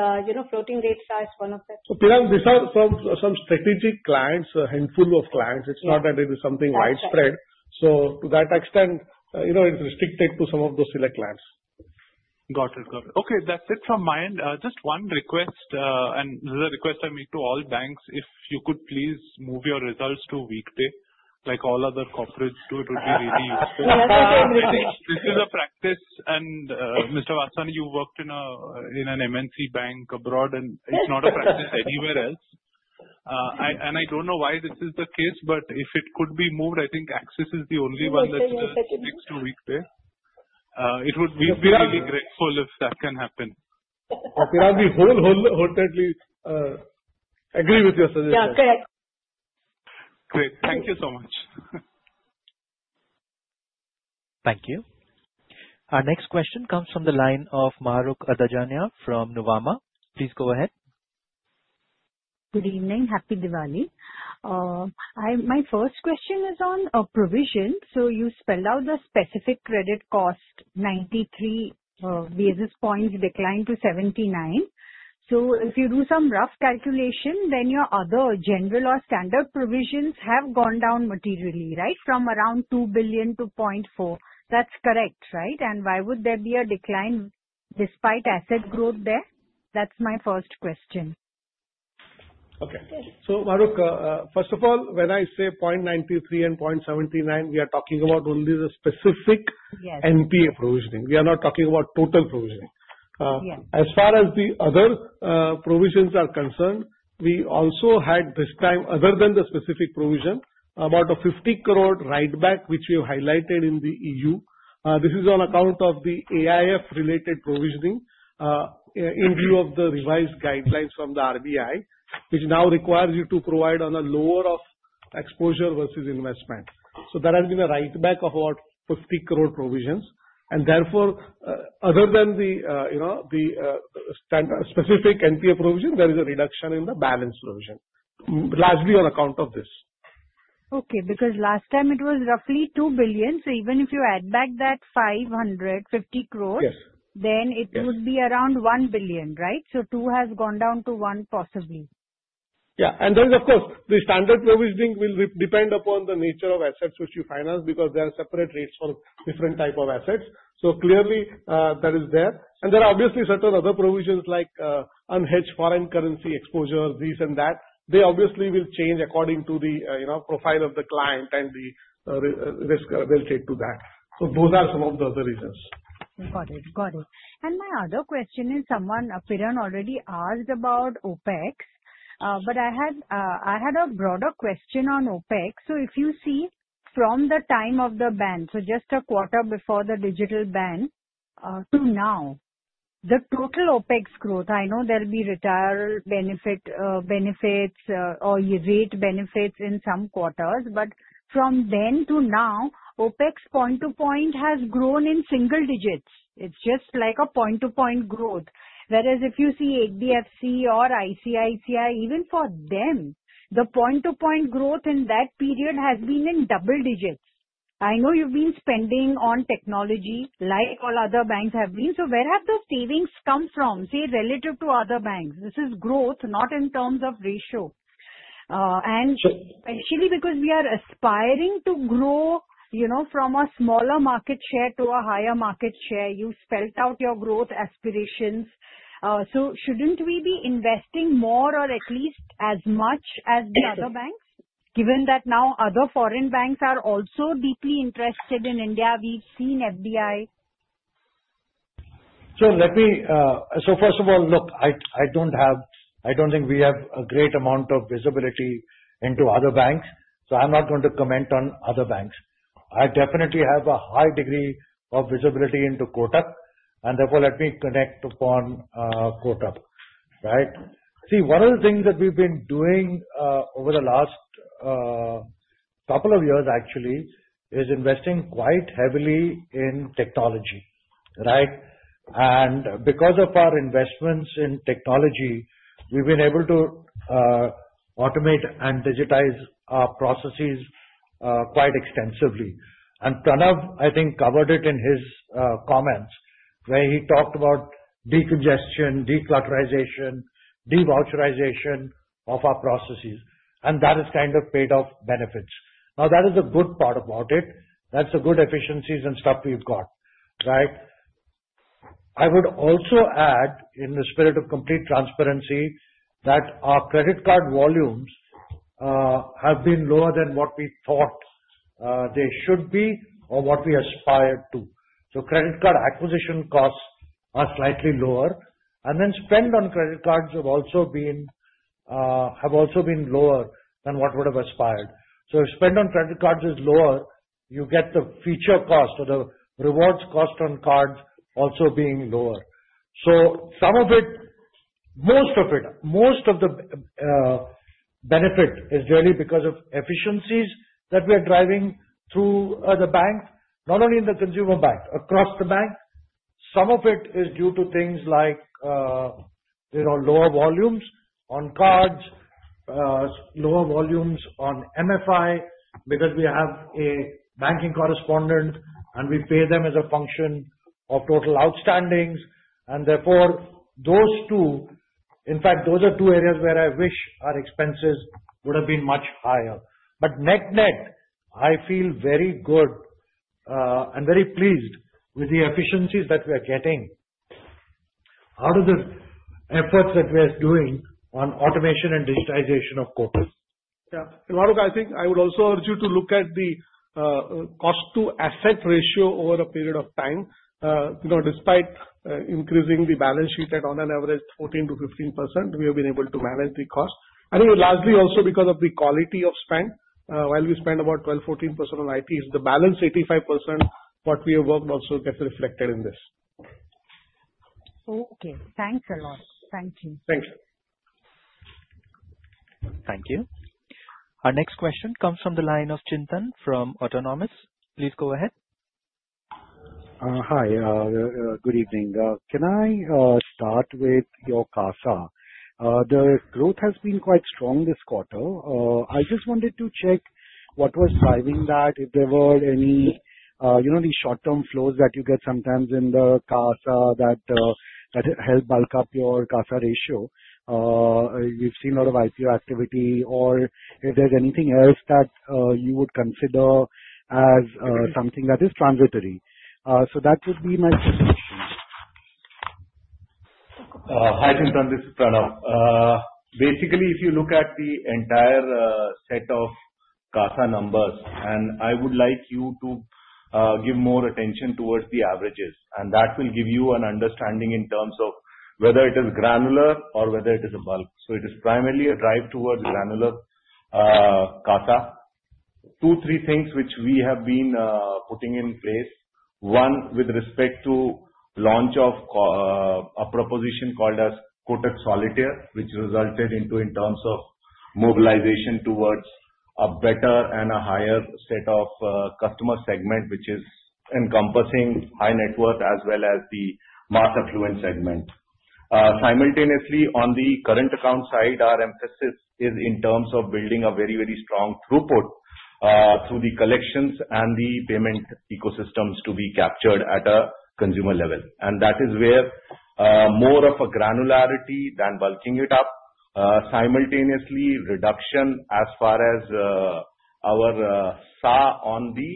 floating rate SAR is one of them. Piran, these are some strategic clients, a handful of clients. It's not that it is something widespread. So to that extent, it's restricted to some of those select clients. Got it. Got it. Okay. That's it from my end. Just one request, and this is a request I make to all banks. If you could please move your results to weekdays, like all other corporates do, it would be really useful. Yes, I can do that. This is a practice, and Mr. Vaswani, you worked in an MNC bank abroad, and it's not a practice anywhere else, and I don't know why this is the case, but if it could be moved, I think Axis is the only one that speaks to weekday. It would be really grateful if that can happen. Okay. Piran, we wholeheartedly agree with your suggestion. Yeah. Correct. Great. Thank you so much. Thank you. Our next question comes from the line of Mahrukh Adajania from Nuvama. Please go ahead. Good evening. Happy Diwali. My first question is on provision. So you spelled out the specific credit cost, 93 basis points declined to 79. So if you do some rough calculation, then your other general or standard provisions have gone down materially, right, from around 2 billion to 0.4 billion. That's correct, right? And why would there be a decline despite asset growth there? That's my first question. Okay. So Maharukh, first of all, when I say 0.93 and 0.79, we are talking about only the specific NPA provisioning. We are not talking about total provisioning. As far as the other provisions are concerned, we also had this time, other than the specific provision, about an 50 crore write-back, which we have highlighted in the EU. This is on account of the AIF-related provisioning in view of the revised guidelines from the RBI, which now requires you to provide on a lower of exposure versus investment. So there has been a write-back of about 50 crore provisions. And therefore, other than the specific NPA provision, there is a reduction in the balance provision, largely on account of this. Okay. Because last time it was roughly 2 billion. So even if you add back that 500, 50 crore, then it would be around 1 billion, right? So 2 has gone down to 1 possibly. Yeah, and there is, of course, the standard provisioning will depend upon the nature of assets which you finance because there are separate rates for different types of assets, so clearly, that is there, and there are obviously certain other provisions like unhedged foreign currency exposure, this and that. They obviously will change according to the profile of the client and the risk availability to that, so those are some of the other reasons. Got it. Got it. And my other question is, someone Piran already asked about OpEx, but I had a broader question on OpEx. So if you see from the time of the ban, so just a quarter before the digital ban to now, the total OpEx growth, I know there'll be retirement benefits or rate benefits in some quarters, but from then to now, OpEx point-to-point has grown in single digits. It's just like a point-to-point growth. Whereas if you see HDFC or ICICI, even for them, the point-to-point growth in that period has been in double digits. I know you've been spending on technology like all other banks have been. So where have the savings come from? See, relative to other banks, this is growth, not in terms of ratio. And actually, because we are aspiring to grow from a smaller market share to a higher market share, you've spelled out your growth aspirations. So shouldn't we be investing more or at least as much as the other banks, given that now other foreign banks are also deeply interested in India? We've seen FDI. So let me first of all, look, I don't think we have a great amount of visibility into other banks. So I'm not going to comment on other banks. I definitely have a high degree of visibility into Kotak. And therefore, let me comment upon Kotak, right? See, one of the things that we've been doing over the last couple of years, actually, is investing quite heavily in technology, right? And because of our investments in technology, we've been able to automate and digitize our processes quite extensively. And Pranav, I think, covered it in his comments where he talked about decongestion, declutterization, de-voucherization of our processes. And that has kind of paid off benefits. Now, that is a good part about it. That's the good efficiencies and stuff we've got, right? I would also add, in the spirit of complete transparency, that our credit card volumes have been lower than what we thought they should be or what we aspired to. So credit card acquisition costs are slightly lower. And then spend on credit cards have also been lower than what we would have aspired. So if spend on credit cards is lower, you get the feature cost or the rewards cost on cards also being lower. So some of it, most of it, most of the benefit is really because of efficiencies that we are driving through the bank, not only in the consumer bank, across the bank. Some of it is due to things like lower volumes on cards, lower volumes on MFI because we have a banking correspondent, and we pay them as a function of total outstandings. And therefore, those two, in fact, those are two areas where I wish our expenses would have been much higher. But net net, I feel very good and very pleased with the efficiencies that we are getting out of the efforts that we are doing on automation and digitization of Kotak. Yeah. Mahrukh, I think I would also urge you to look at the cost-to-asset ratio over a period of time. Despite increasing the balance sheet at on an average 14%-15%, we have been able to manage the cost. I think largely also because of the quality of spend. While we spend about 12%-14% on IT, the balance 85%, what we have worked also gets reflected in this. Okay. Thanks a lot. Thank you. Thank you. Thank you. Our next question comes from the line of Chintan from Autonomous. Please go ahead. Hi. Good evening. Can I start with your CASA? The growth has been quite strong this quarter. I just wanted to check what was driving that, if there were any short-term flows that you get sometimes in the CASA that help bulk up your CASA ratio. We've seen a lot of IPO activity. Or if there's anything else that you would consider as something that is transitory. So that would be my question. Hi, Chintan. This is Pranav. Basically, if you look at the entire set of CASA numbers, and I would like you to give more attention towards the averages, and that will give you an understanding in terms of whether it is granular or whether it is a bulk, so it is primarily a drive towards granular CASA. Two, three things which we have been putting in place. One, with respect to launch of a proposition called as Kotak Solitaire, which resulted into in terms of mobilization towards a better and a higher set of customer segment, which is encompassing high net worth as well as the mass affluent segment. Simultaneously, on the current account side, our emphasis is in terms of building a very, very strong throughput through the collections and the payment ecosystems to be captured at a consumer level. And that is where more of a granularity than bulking it up. Simultaneously, reduction as far as our SA rate on the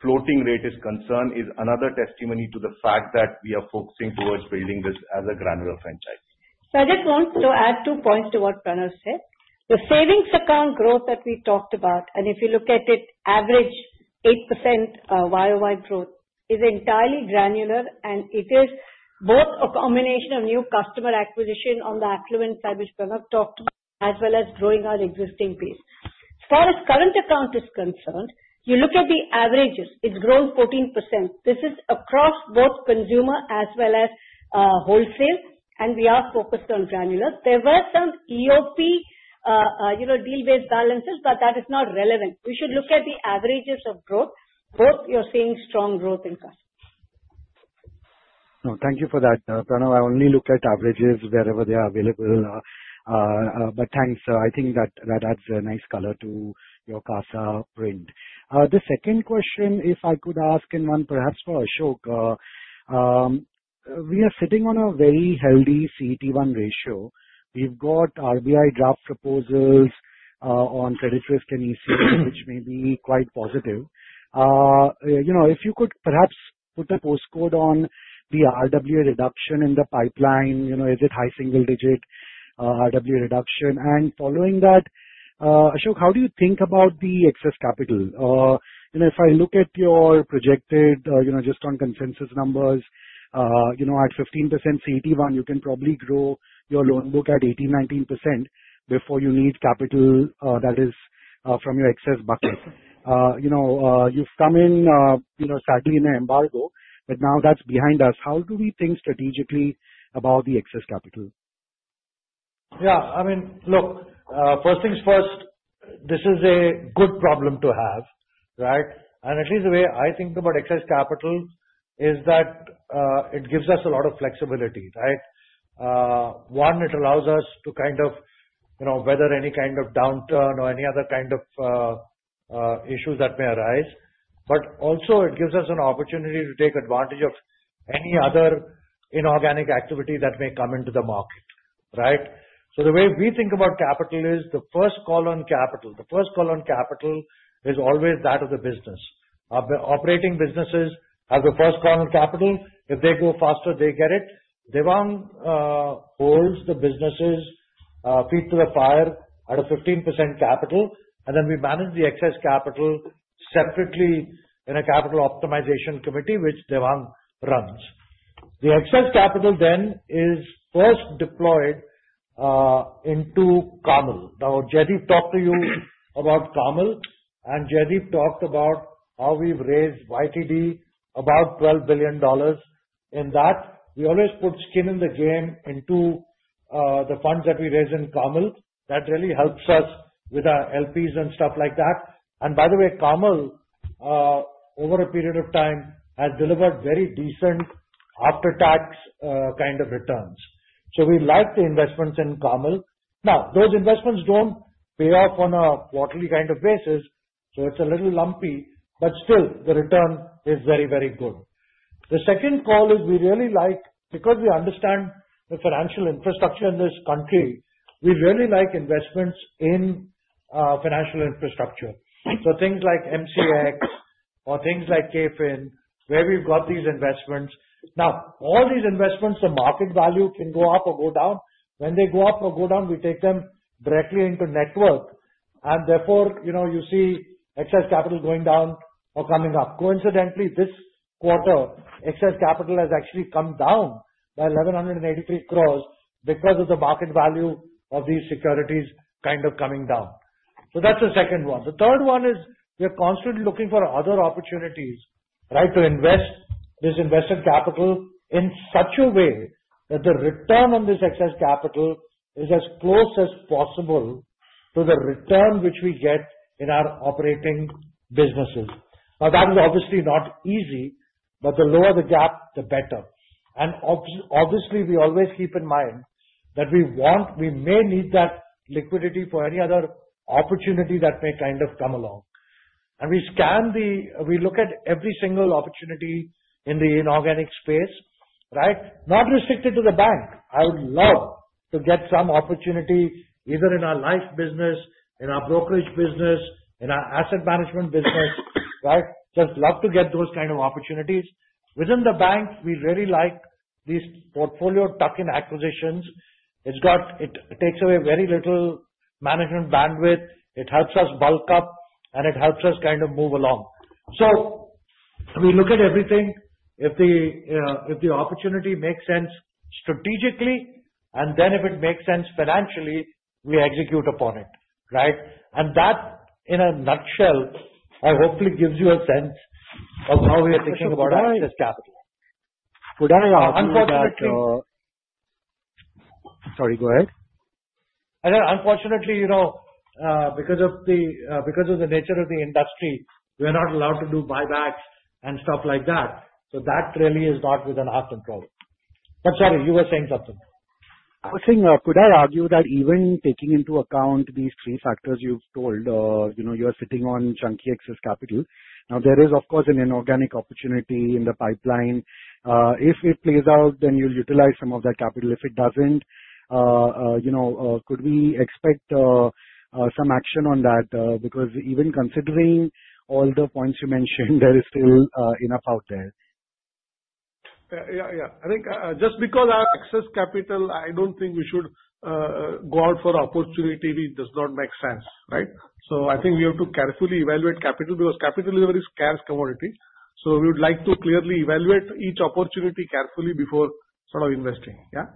floating rate is concerned is another testimony to the fact that we are focusing towards building this as a granular franchise. So I just want to add two points to what Pranav said. The savings account growth that we talked about, and if you look at it, average 8% YOY growth is entirely granular, and it is both a combination of new customer acquisition on the affluent side which Pranav talked about, as well as growing our existing base. As far as current account is concerned, you look at the averages, it's grown 14%. This is across both consumer as well as wholesale, and we are focused on granular. There were some EOP deal-based balances, but that is not relevant. We should look at the averages of growth. Both you're seeing strong growth in CASA. No, thank you for that. Pranav, I only look at averages wherever they are available. But thanks. I think that adds a nice color to your CASA print. The second question, if I could ask in one, perhaps for Ashok, we are sitting on a very healthy CET1 ratio. We've got RBI draft proposals on credit risk and ECL, which may be quite positive. If you could perhaps put a ballpark on the RWA reduction in the pipeline, is it high single-digit RWA reduction? And following that, Ashok, how do you think about the excess capital? If I look at your projected just on consensus numbers, at 15% CET1, you can probably grow your loan book at 18%-19% before you need capital that is from your excess bucket. You've come in, sadly, in an embargo, but now that's behind us. How do we think strategically about the excess capital? Yeah. I mean, look, first things first, this is a good problem to have, right? And at least the way I think about excess capital is that it gives us a lot of flexibility, right? One, it allows us to kind of weather any kind of downturn or any other kind of issues that may arise. But also, it gives us an opportunity to take advantage of any other inorganic activity that may come into the market, right? So the way we think about capital is the first call on capital. The first call on capital is always that of the business. Operating businesses have the first call on capital. If they go faster, they get it. Devang holds the businesses' feet to the fire at a 15% capital. And then we manage the excess capital separately in a Capital Optimization Committee, which Devang runs. The excess capital then is first deployed into KAAML. Now, Jaideep talked to you about KAAML, and Jaideep talked about how we've raised YTD about $12 billion in that. We always put skin in the game into the funds that we raise in KAAML. That really helps us with our LPs and stuff like that. And by the way, KAAML, over a period of time, has delivered very decent after-tax kind of returns. So we like the investments in KAAML. Now, those investments don't pay off on a quarterly kind of basis, so it's a little lumpy, but still, the return is very, very good. The second call is we really like because we understand the financial infrastructure in this country, we really like investments in financial infrastructure. So things like MCX or things like KFin, where we've got these investments. Now, all these investments, the market value can go up or go down. When they go up or go down, we take them directly into net worth. And therefore, you see excess capital going down or coming up. Coincidentally, this quarter, excess capital has actually come down by 1,183 crores because of the market value of these securities kind of coming down. So that's the second one. The third one is we're constantly looking for other opportunities, right, to invest this invested capital in such a way that the return on this excess capital is as close as possible to the return which we get in our operating businesses. Now, that is obviously not easy, but the lower the gap, the better. And obviously, we always keep in mind that we may need that liquidity for any other opportunity that may kind of come along. And we look at every single opportunity in the inorganic space, right? Not restricted to the bank. I would love to get some opportunity either in our life business, in our brokerage business, in our asset management business, right? Just love to get those kind of opportunities. Within the bank, we really like these portfolio tuck-in acquisitions. It takes away very little management bandwidth. It helps us bulk up, and it helps us kind of move along. So we look at everything. If the opportunity makes sense strategically, and then if it makes sense financially, we execute upon it, right? And that, in a nutshell, hopefully gives you a sense of how we are thinking about excess capital. Would I argue that? Unfortunately. Sorry, go ahead. Unfortunately, because of the nature of the industry, we're not allowed to do buybacks and stuff like that, so that really is not within our control, but sorry, you were saying something. I was saying, could I argue that even taking into account these three factors you've told, you are sitting on chunky excess capital? Now, there is, of course, an inorganic opportunity in the pipeline. If it plays out, then you'll utilize some of that capital. If it doesn't, could we expect some action on that? Because even considering all the points you mentioned, there is still enough out there. Yeah, yeah. I think just because our excess capital, I don't think we should go out for opportunity. It does not make sense, right? So I think we have to carefully evaluate capital because capital is a very scarce commodity. So we would like to clearly evaluate each opportunity carefully before sort of investing, yeah?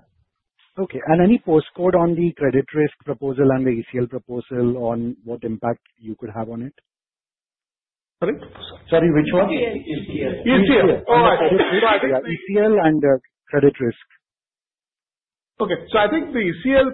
Okay. And any outlook on the credit risk proposal and the ECL proposal on what impact you could have on it? Sorry? Sorry, which one? ECL. ECL. All right. So I think ECL and credit risk. Okay. So I think the ECL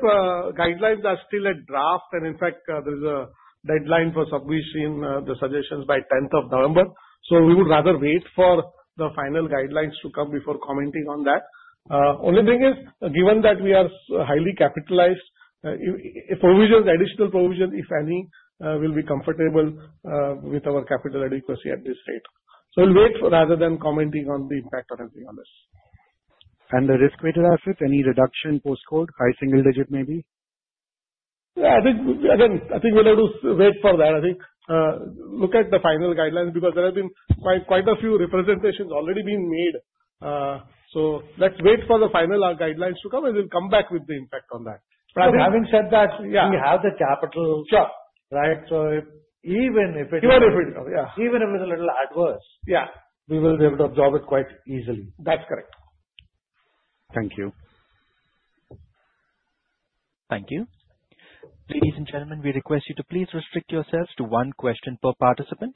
guidelines are still a draft. And in fact, there is a deadline for submission, the suggestions, by 10th of November. So we would rather wait for the final guidelines to come before commenting on that. Only thing is, given that we are highly capitalized, provisions, additional provisions, if any, will be comfortable with our capital adequacy at this date. So we'll wait rather than commenting on the impact or anything on this. The risk-weighted assets, any reduction post-COVID, high single-digit maybe? Yeah. Again, I think we'll have to wait for that. I think look at the final guidelines because there have been quite a few representations already being made. So let's wait for the final guidelines to come as we'll come back with the impact on that. So having said that, we have the capital, right? So even if it. Even if it comes, yeah. Even if it's a little adverse. We will be able to absorb it quite easily. That's correct. Thank you. Thank you. Ladies and gentlemen, we request you to please restrict yourselves to one question per participant.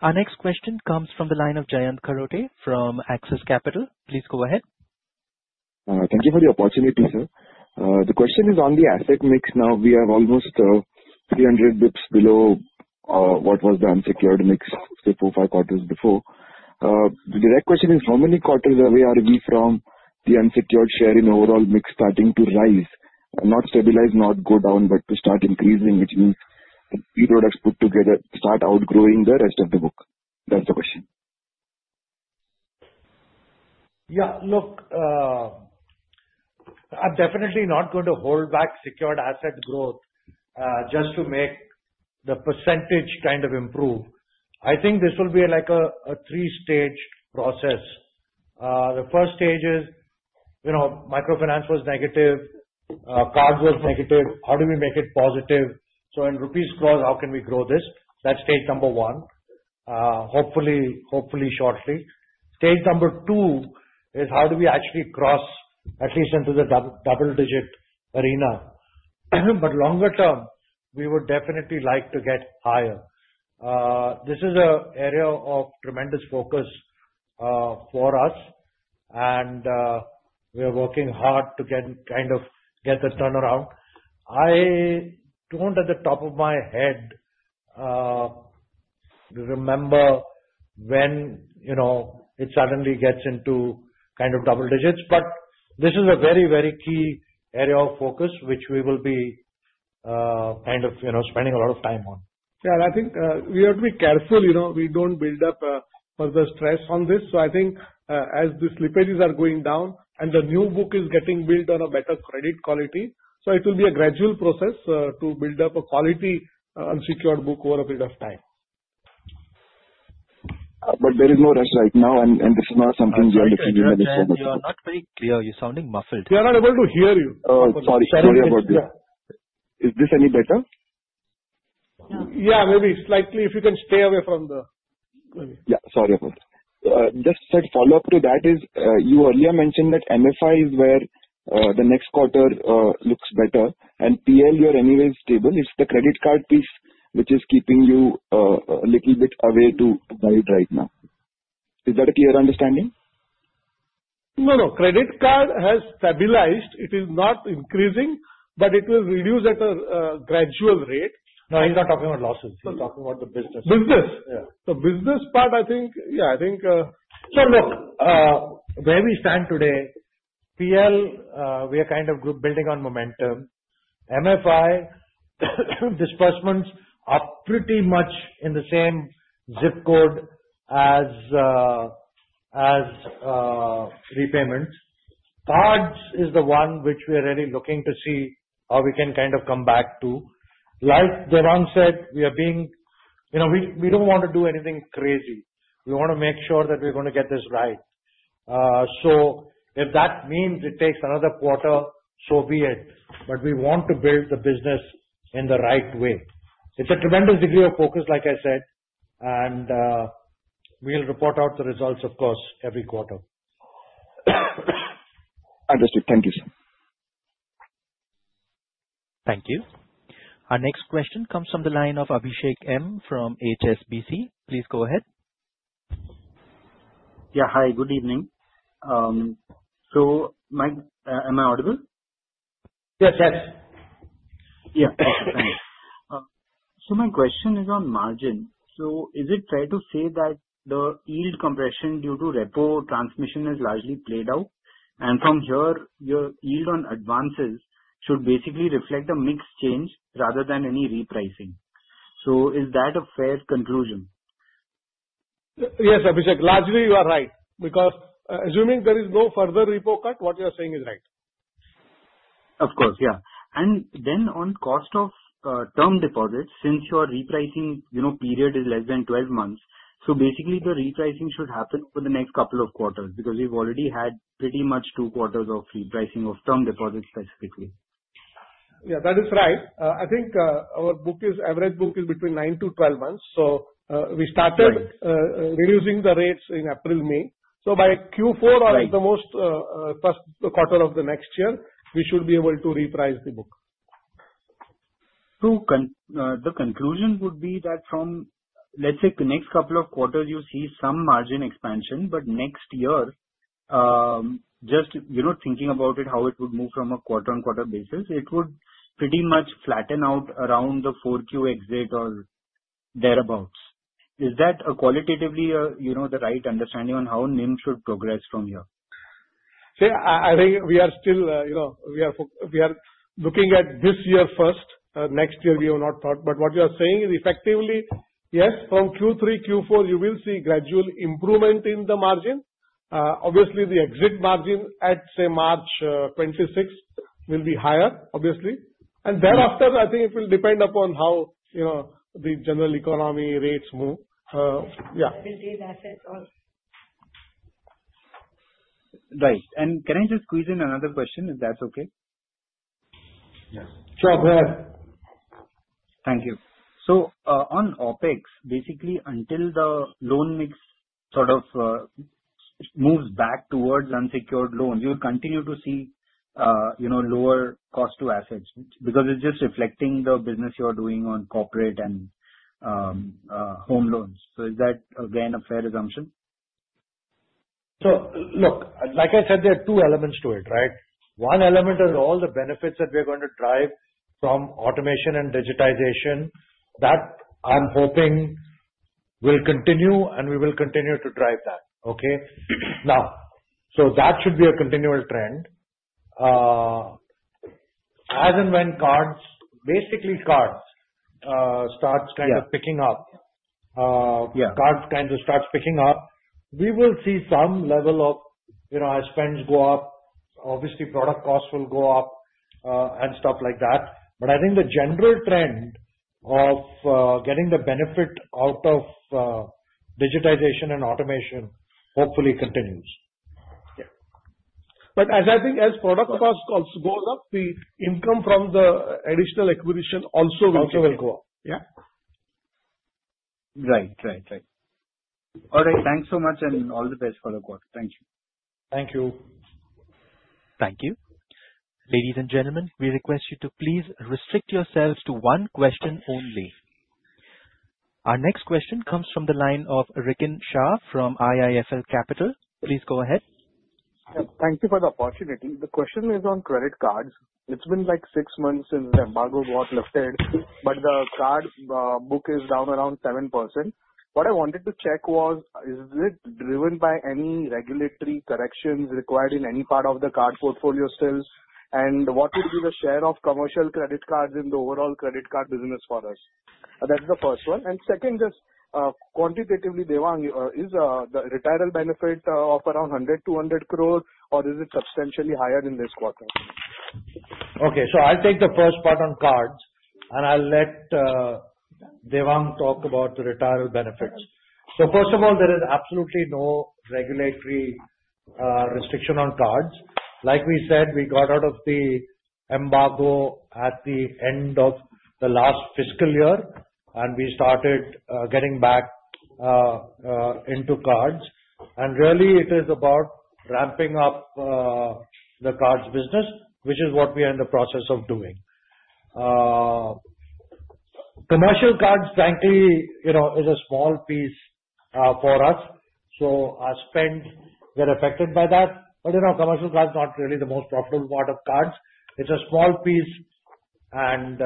Our next question comes from the line of Jayant Kharote from Axis Capital. Please go ahead. Thank you for the opportunity, sir. The question is on the asset mix. Now, we have almost 300 dips below what was the unsecured mix four or five quarters before. The direct question is, how many quarters away are we from the unsecured share in overall mix starting to rise, not stabilize, not go down, but to start increasing, which means the products put together start outgrowing the rest of the book? That's the question. Yeah. Look, I'm definitely not going to hold back secured asset growth just to make the percentage kind of improve. I think this will be like a three-stage process. The first stage is microfinance was negative, card was negative. How do we make it positive? So in rupees close, how can we grow this? That's stage number one, hopefully shortly. Stage number two is how do we actually cross at least into the double-digit arena? But longer term, we would definitely like to get higher. This is an area of tremendous focus for us, and we are working hard to kind of get the turnaround. I don't, at the top of my head, remember when it suddenly gets into kind of double digits. But this is a very, very key area of focus, which we will be kind of spending a lot of time on. Yeah, and I think we have to be careful. We don't build up further stress on this, so I think as the slippages are going down and the new book is getting built on a better credit quality, so it will be a gradual process to build up a quality unsecured book over a period of time. But there is no rush right now, and this is not something we are deciding on this moment. We are not very clear. You're sounding muffled. We are not able to hear you. Oh, sorry. Sorry about this. Is this any better? Yeah, maybe slightly if you can stay away from the. Yeah. Sorry about that. Just a follow-up to that is you earlier mentioned that MFI is where the next quarter looks better, and PL, you're anyways stable. It's the credit card piece which is keeping you a little bit away to guide right now. Is that a clear understanding? No, no. Credit card has stabilized. It is not increasing, but it will reduce at a gradual rate. No, he's not talking about losses. He's talking about the business. Business. Yeah. Business part, I think, yeah, I think. So look, where we stand today, PL, we are kind of building on momentum. MFI, disbursements are pretty much in the same zip code as repayments. Cards is the one which we are really looking to see how we can kind of come back to. Like Devang said, we are being. We don't want to do anything crazy. We want to make sure that we're going to get this right. So if that means it takes another quarter, so be it. But we want to build the business in the right way. It's a tremendous degree of focus, like I said, and we'll report out the results, of course, every quarter. Understood. Thank you, sir. Thank you. Our next question comes from the line of Abhishek M from HSBC. Please go ahead. Yeah. Hi. Good evening. So am I audible? Yes, yes. Yeah. Okay. Thanks. So my question is on margin. So is it fair to say that the yield compression due to repo transmission has largely played out? And from here, your yield on advances should basically reflect a mix change rather than any repricing. So is that a fair conclusion? Yes, Abhishek. Largely, you are right because assuming there is no further repo cut, what you are saying is right. Of course, yeah. And then on cost of term deposits, since your repricing period is less than 12 months, so basically, the repricing should happen over the next couple of quarters because we've already had pretty much two quarters of repricing of term deposits specifically. Yeah, that is right. I think our average book is between nine to 12 months. So we started reducing the rates in April, May. So by Q4 or the most first quarter of the next year, we should be able to reprice the book. So the conclusion would be that from, let's say, the next couple of quarters, you see some margin expansion. But next year, just thinking about it, how it would move from a quarter-on-quarter basis, it would pretty much flatten out around the 4Q exit or thereabouts. Is that qualitatively the right understanding on how NIM should progress from here? See, I think we are still looking at this year first. Next year, we will not talk. But what you are saying is effectively, yes, from Q3, Q4, you will see gradual improvement in the margin. Obviously, the exit margin at, say, March 2026 will be higher, obviously. And thereafter, I think it will depend upon how the general economy rates move. Yeah. Building assets also. Right. And can I just squeeze in another question if that's okay? Yes. Sure. Go ahead. Thank you. So on OpEx, basically, until the loan mix sort of moves back towards unsecured loans, you will continue to see lower cost to assets because it's just reflecting the business you are doing on corporate and home loans. So is that, again, a fair assumption? So look, like I said, there are two elements to it, right? One element is all the benefits that we are going to drive from automation and digitization that I'm hoping will continue, and we will continue to drive that, okay? Now, so that should be a continual trend. As and when cards basically start kind of picking up, we will see some level of expense go up. Obviously, product costs will go up and stuff like that. But I think the general trend of getting the benefit out of digitization and automation hopefully continues. Yeah. But as I think as product costs goes up, the income from the additional acquisition also will. Also will go up. Yeah. Right, right, right. All right. Thanks so much and all the best for the quarter. Thank you. Thank you. Thank you. Ladies and gentlemen, we request you to please restrict yourselves to one question only. Our next question comes from the line of Rikin Shah from IIFL Capital. Please go ahead. Thank you for the opportunity. The question is on credit cards. It's been like six months since the embargo got lifted, but the card book is down around 7%. What I wanted to check was, is it driven by any regulatory corrections required in any part of the card portfolio still? And what would be the share of commercial credit cards in the overall credit card business for us? That's the first one. And second, just quantitatively, Devang, is the retirement benefit of around 100-200 crore, or is it substantially higher in this quarter? Okay. So I'll take the first part on cards, and I'll let Devang talk about the retirement benefits. So first of all, there is absolutely no regulatory restriction on cards. Like we said, we got out of the embargo at the end of the last fiscal year, and we started getting back into cards. And really, it is about ramping up the cards business, which is what we are in the process of doing. Commercial cards, frankly, is a small piece for us. So our spend, they're affected by that. But commercial cards, not really the most profitable part of cards. It's a small piece, and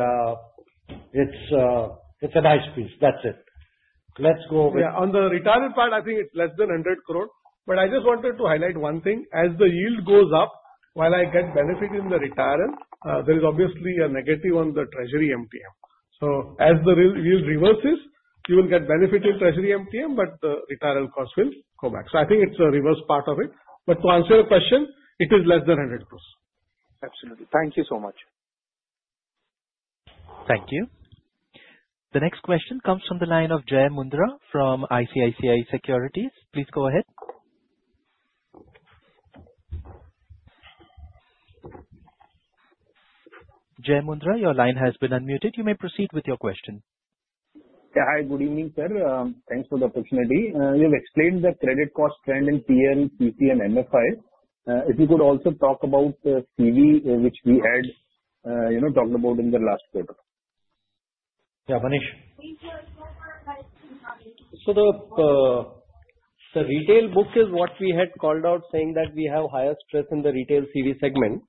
it's a nice piece. That's it. Let's go with. Yeah. On the retirement part, I think it's less than 100 crore. But I just wanted to highlight one thing. As the yield goes up, while I get benefit in the retirement, there is obviously a negative on the treasury MTM. So as the yield reverses, you will get benefit in treasury MTM, but the retirement cost will go back. So I think it's a reverse part of it. But to answer your question, it is less than 100 crore. Absolutely. Thank you so much. Thank you. The next question comes from the line of Jai Mundhra from ICICI Securities. Please go ahead. Jai Mundhra, your line has been unmuted. You may proceed with your question. Yeah. Hi. Good evening, sir. Thanks for the opportunity. You've explained the credit cost trend in PL, CC, and MFI. If you could also talk about the CV, which we had talked about in the last quarter. Yeah. Manish. So the retail book is what we had called out, saying that we have higher stress in the retail CV segment.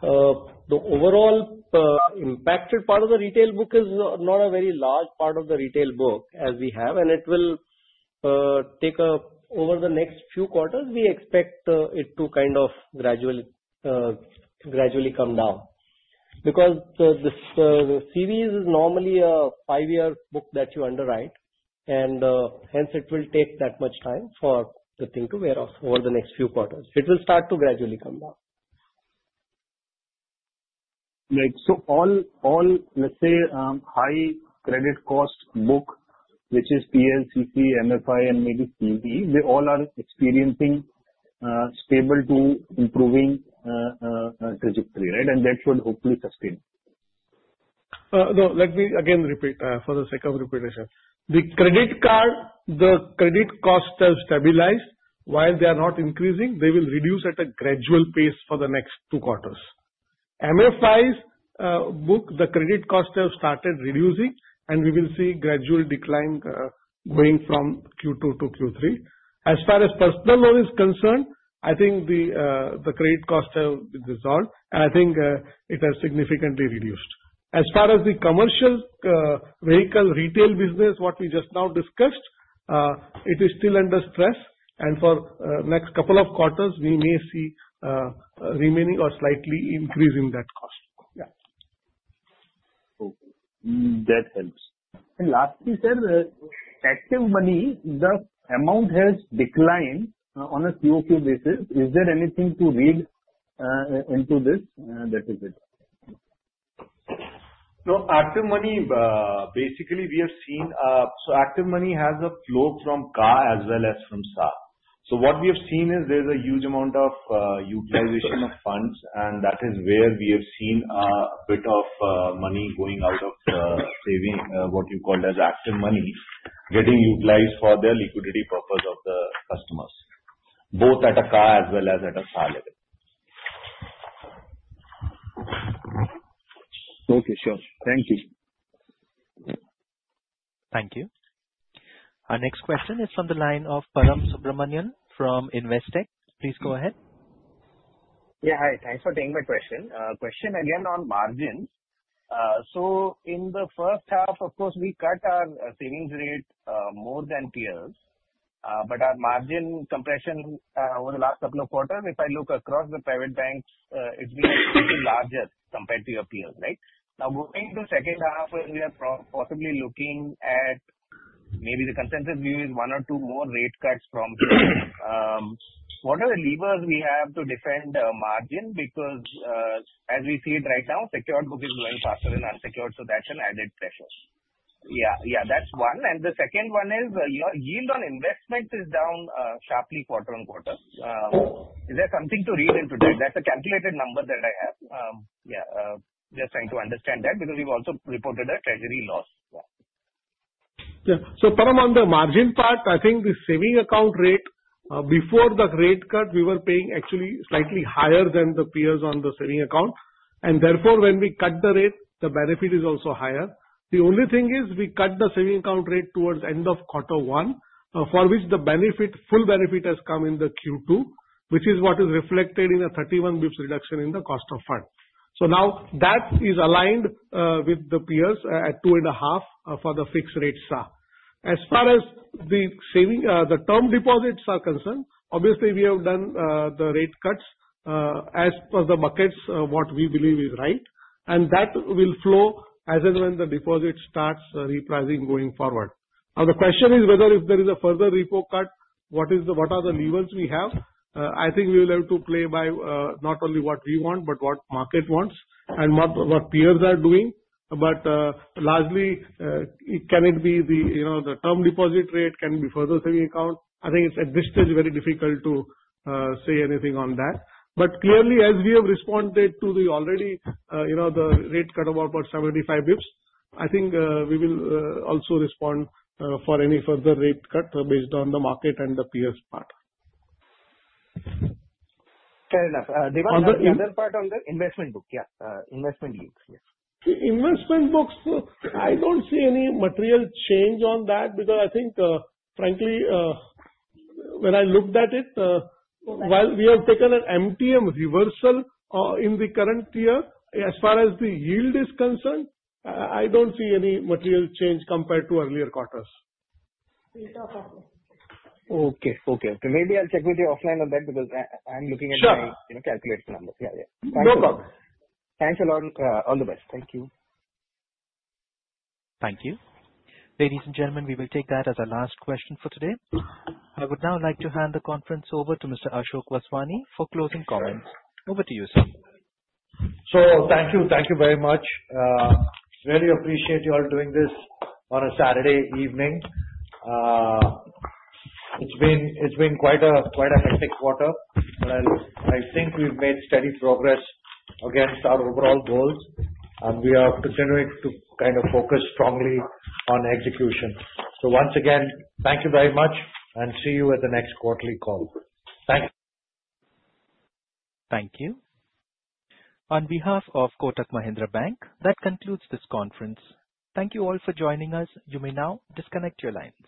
The overall impacted part of the retail book is not a very large part of the retail book as we have, and it will take over the next few quarters. We expect it to kind of gradually come down because the CV is normally a five-year book that you underwrite, and hence, it will take that much time for the thing to wear off over the next few quarters. It will start to gradually come down. Right. So all, let's say, high credit cost book, which is PL, CC, MFI, and maybe CV, they all are experiencing stable to improving trajectory, right? And that should hopefully sustain. No, let me again repeat for the sake of repetition. The credit card, the credit cost has stabilized. While they are not increasing, they will reduce at a gradual pace for the next two quarters. MFI's book, the credit cost has started reducing, and we will see gradual decline going from Q2 to Q3. As far as personal loan is concerned, I think the credit cost has resolved, and I think it has significantly reduced. As far as the commercial vehicle retail business, what we just now discussed, it is still under stress, and for the next couple of quarters, we may see remaining or slightly increase in that cost. Yeah. That helps. And lastly, sir, ActivMoney, the amount has declined on a QOQ basis. Is there anything to read into this? That is it. No, ActivMoney, basically, we have seen so ActivMoney has a flow from CASA as well as from CASA. So what we have seen is there's a huge amount of utilization of funds, and that is where we have seen a bit of money going out of the savings, what you called as ActivMoney, getting utilized for the liquidity purpose of the customers, both at a CASA as well as at a CASA level. Okay. Sure. Thank you. Thank you. Our next question is from the line of Param Subramanian from Investec. Please go ahead. Yeah. Hi. Thanks for taking my question. Question again on margins. So in the first half, of course, we cut our savings rate more than peers, but our margin compression over the last couple of quarters, if I look across the private banks, it's been a little larger compared to your peers, right? Now, going to the second half, where we are possibly looking at maybe the consensus view is one or two more rate cuts from whatever levers we have to defend margin because, as we see it right now, secured book is going faster than unsecured, so that's an added pressure. Yeah. Yeah. That's one. And the second one is yield on investment is down sharply quarter-on-quarter. Is there something to read into that? That's a calculated number that I have. Yeah. Just trying to understand that because we've also reported a treasury loss. Yeah. So Param, on the margin part, I think the savings account rate, before the rate cut, we were paying actually slightly higher than the peers on the savings account. And therefore, when we cut the rate, the benefit is also higher. The only thing is we cut the savings account rate towards the end of quarter one, for which the full benefit has come in the Q2, which is what is reflected in a 31 basis points reduction in the cost of funds. So now that is aligned with the peers at 2.5 for the fixed rate SAR. As far as the term deposits are concerned, obviously, we have done the rate cuts as per the buckets, what we believe is right. And that will flow as and when the deposit starts repricing going forward. Now, the question is whether if there is a further repo cut, what are the levers we have? I think we will have to play by not only what we want, but what market wants and what peers are doing. But largely, can it be the term deposit rate, can it be further savings account? I think at this stage, very difficult to say anything on that. But clearly, as we have responded to the already rate cut about 75 basis points, I think we will also respond for any further rate cut based on the market and the peers' part. Fair enough. Devang, the other part on the investment book, yeah, investment yields, yes. Investment books, I don't see any material change on that because I think, frankly, when I looked at it, while we have taken an MTM reversal in the current year, as far as the yield is concerned, I don't see any material change compared to earlier quarters. We'll talk offline. Okay. Maybe I'll check with you offline on that because I'm looking at my calculator numbers. Yeah. Thanks. No problem. Thanks a lot. All the best. Thank you. Thank you. Ladies and gentlemen, we will take that as our last question for today. I would now like to hand the conference over to Mr. Ashok Vaswani for closing comments. Over to you, sir. So thank you. Thank you very much. Really appreciate you all doing this on a Saturday evening. It's been quite a hectic quarter, but I think we've made steady progress against our overall goals, and we are continuing to kind of focus strongly on execution. So once again, thank you very much, and see you at the next quarterly call. Thank you. Thank you. On behalf of Kotak Mahindra Bank, that concludes this conference. Thank you all for joining us. You may now disconnect your lines.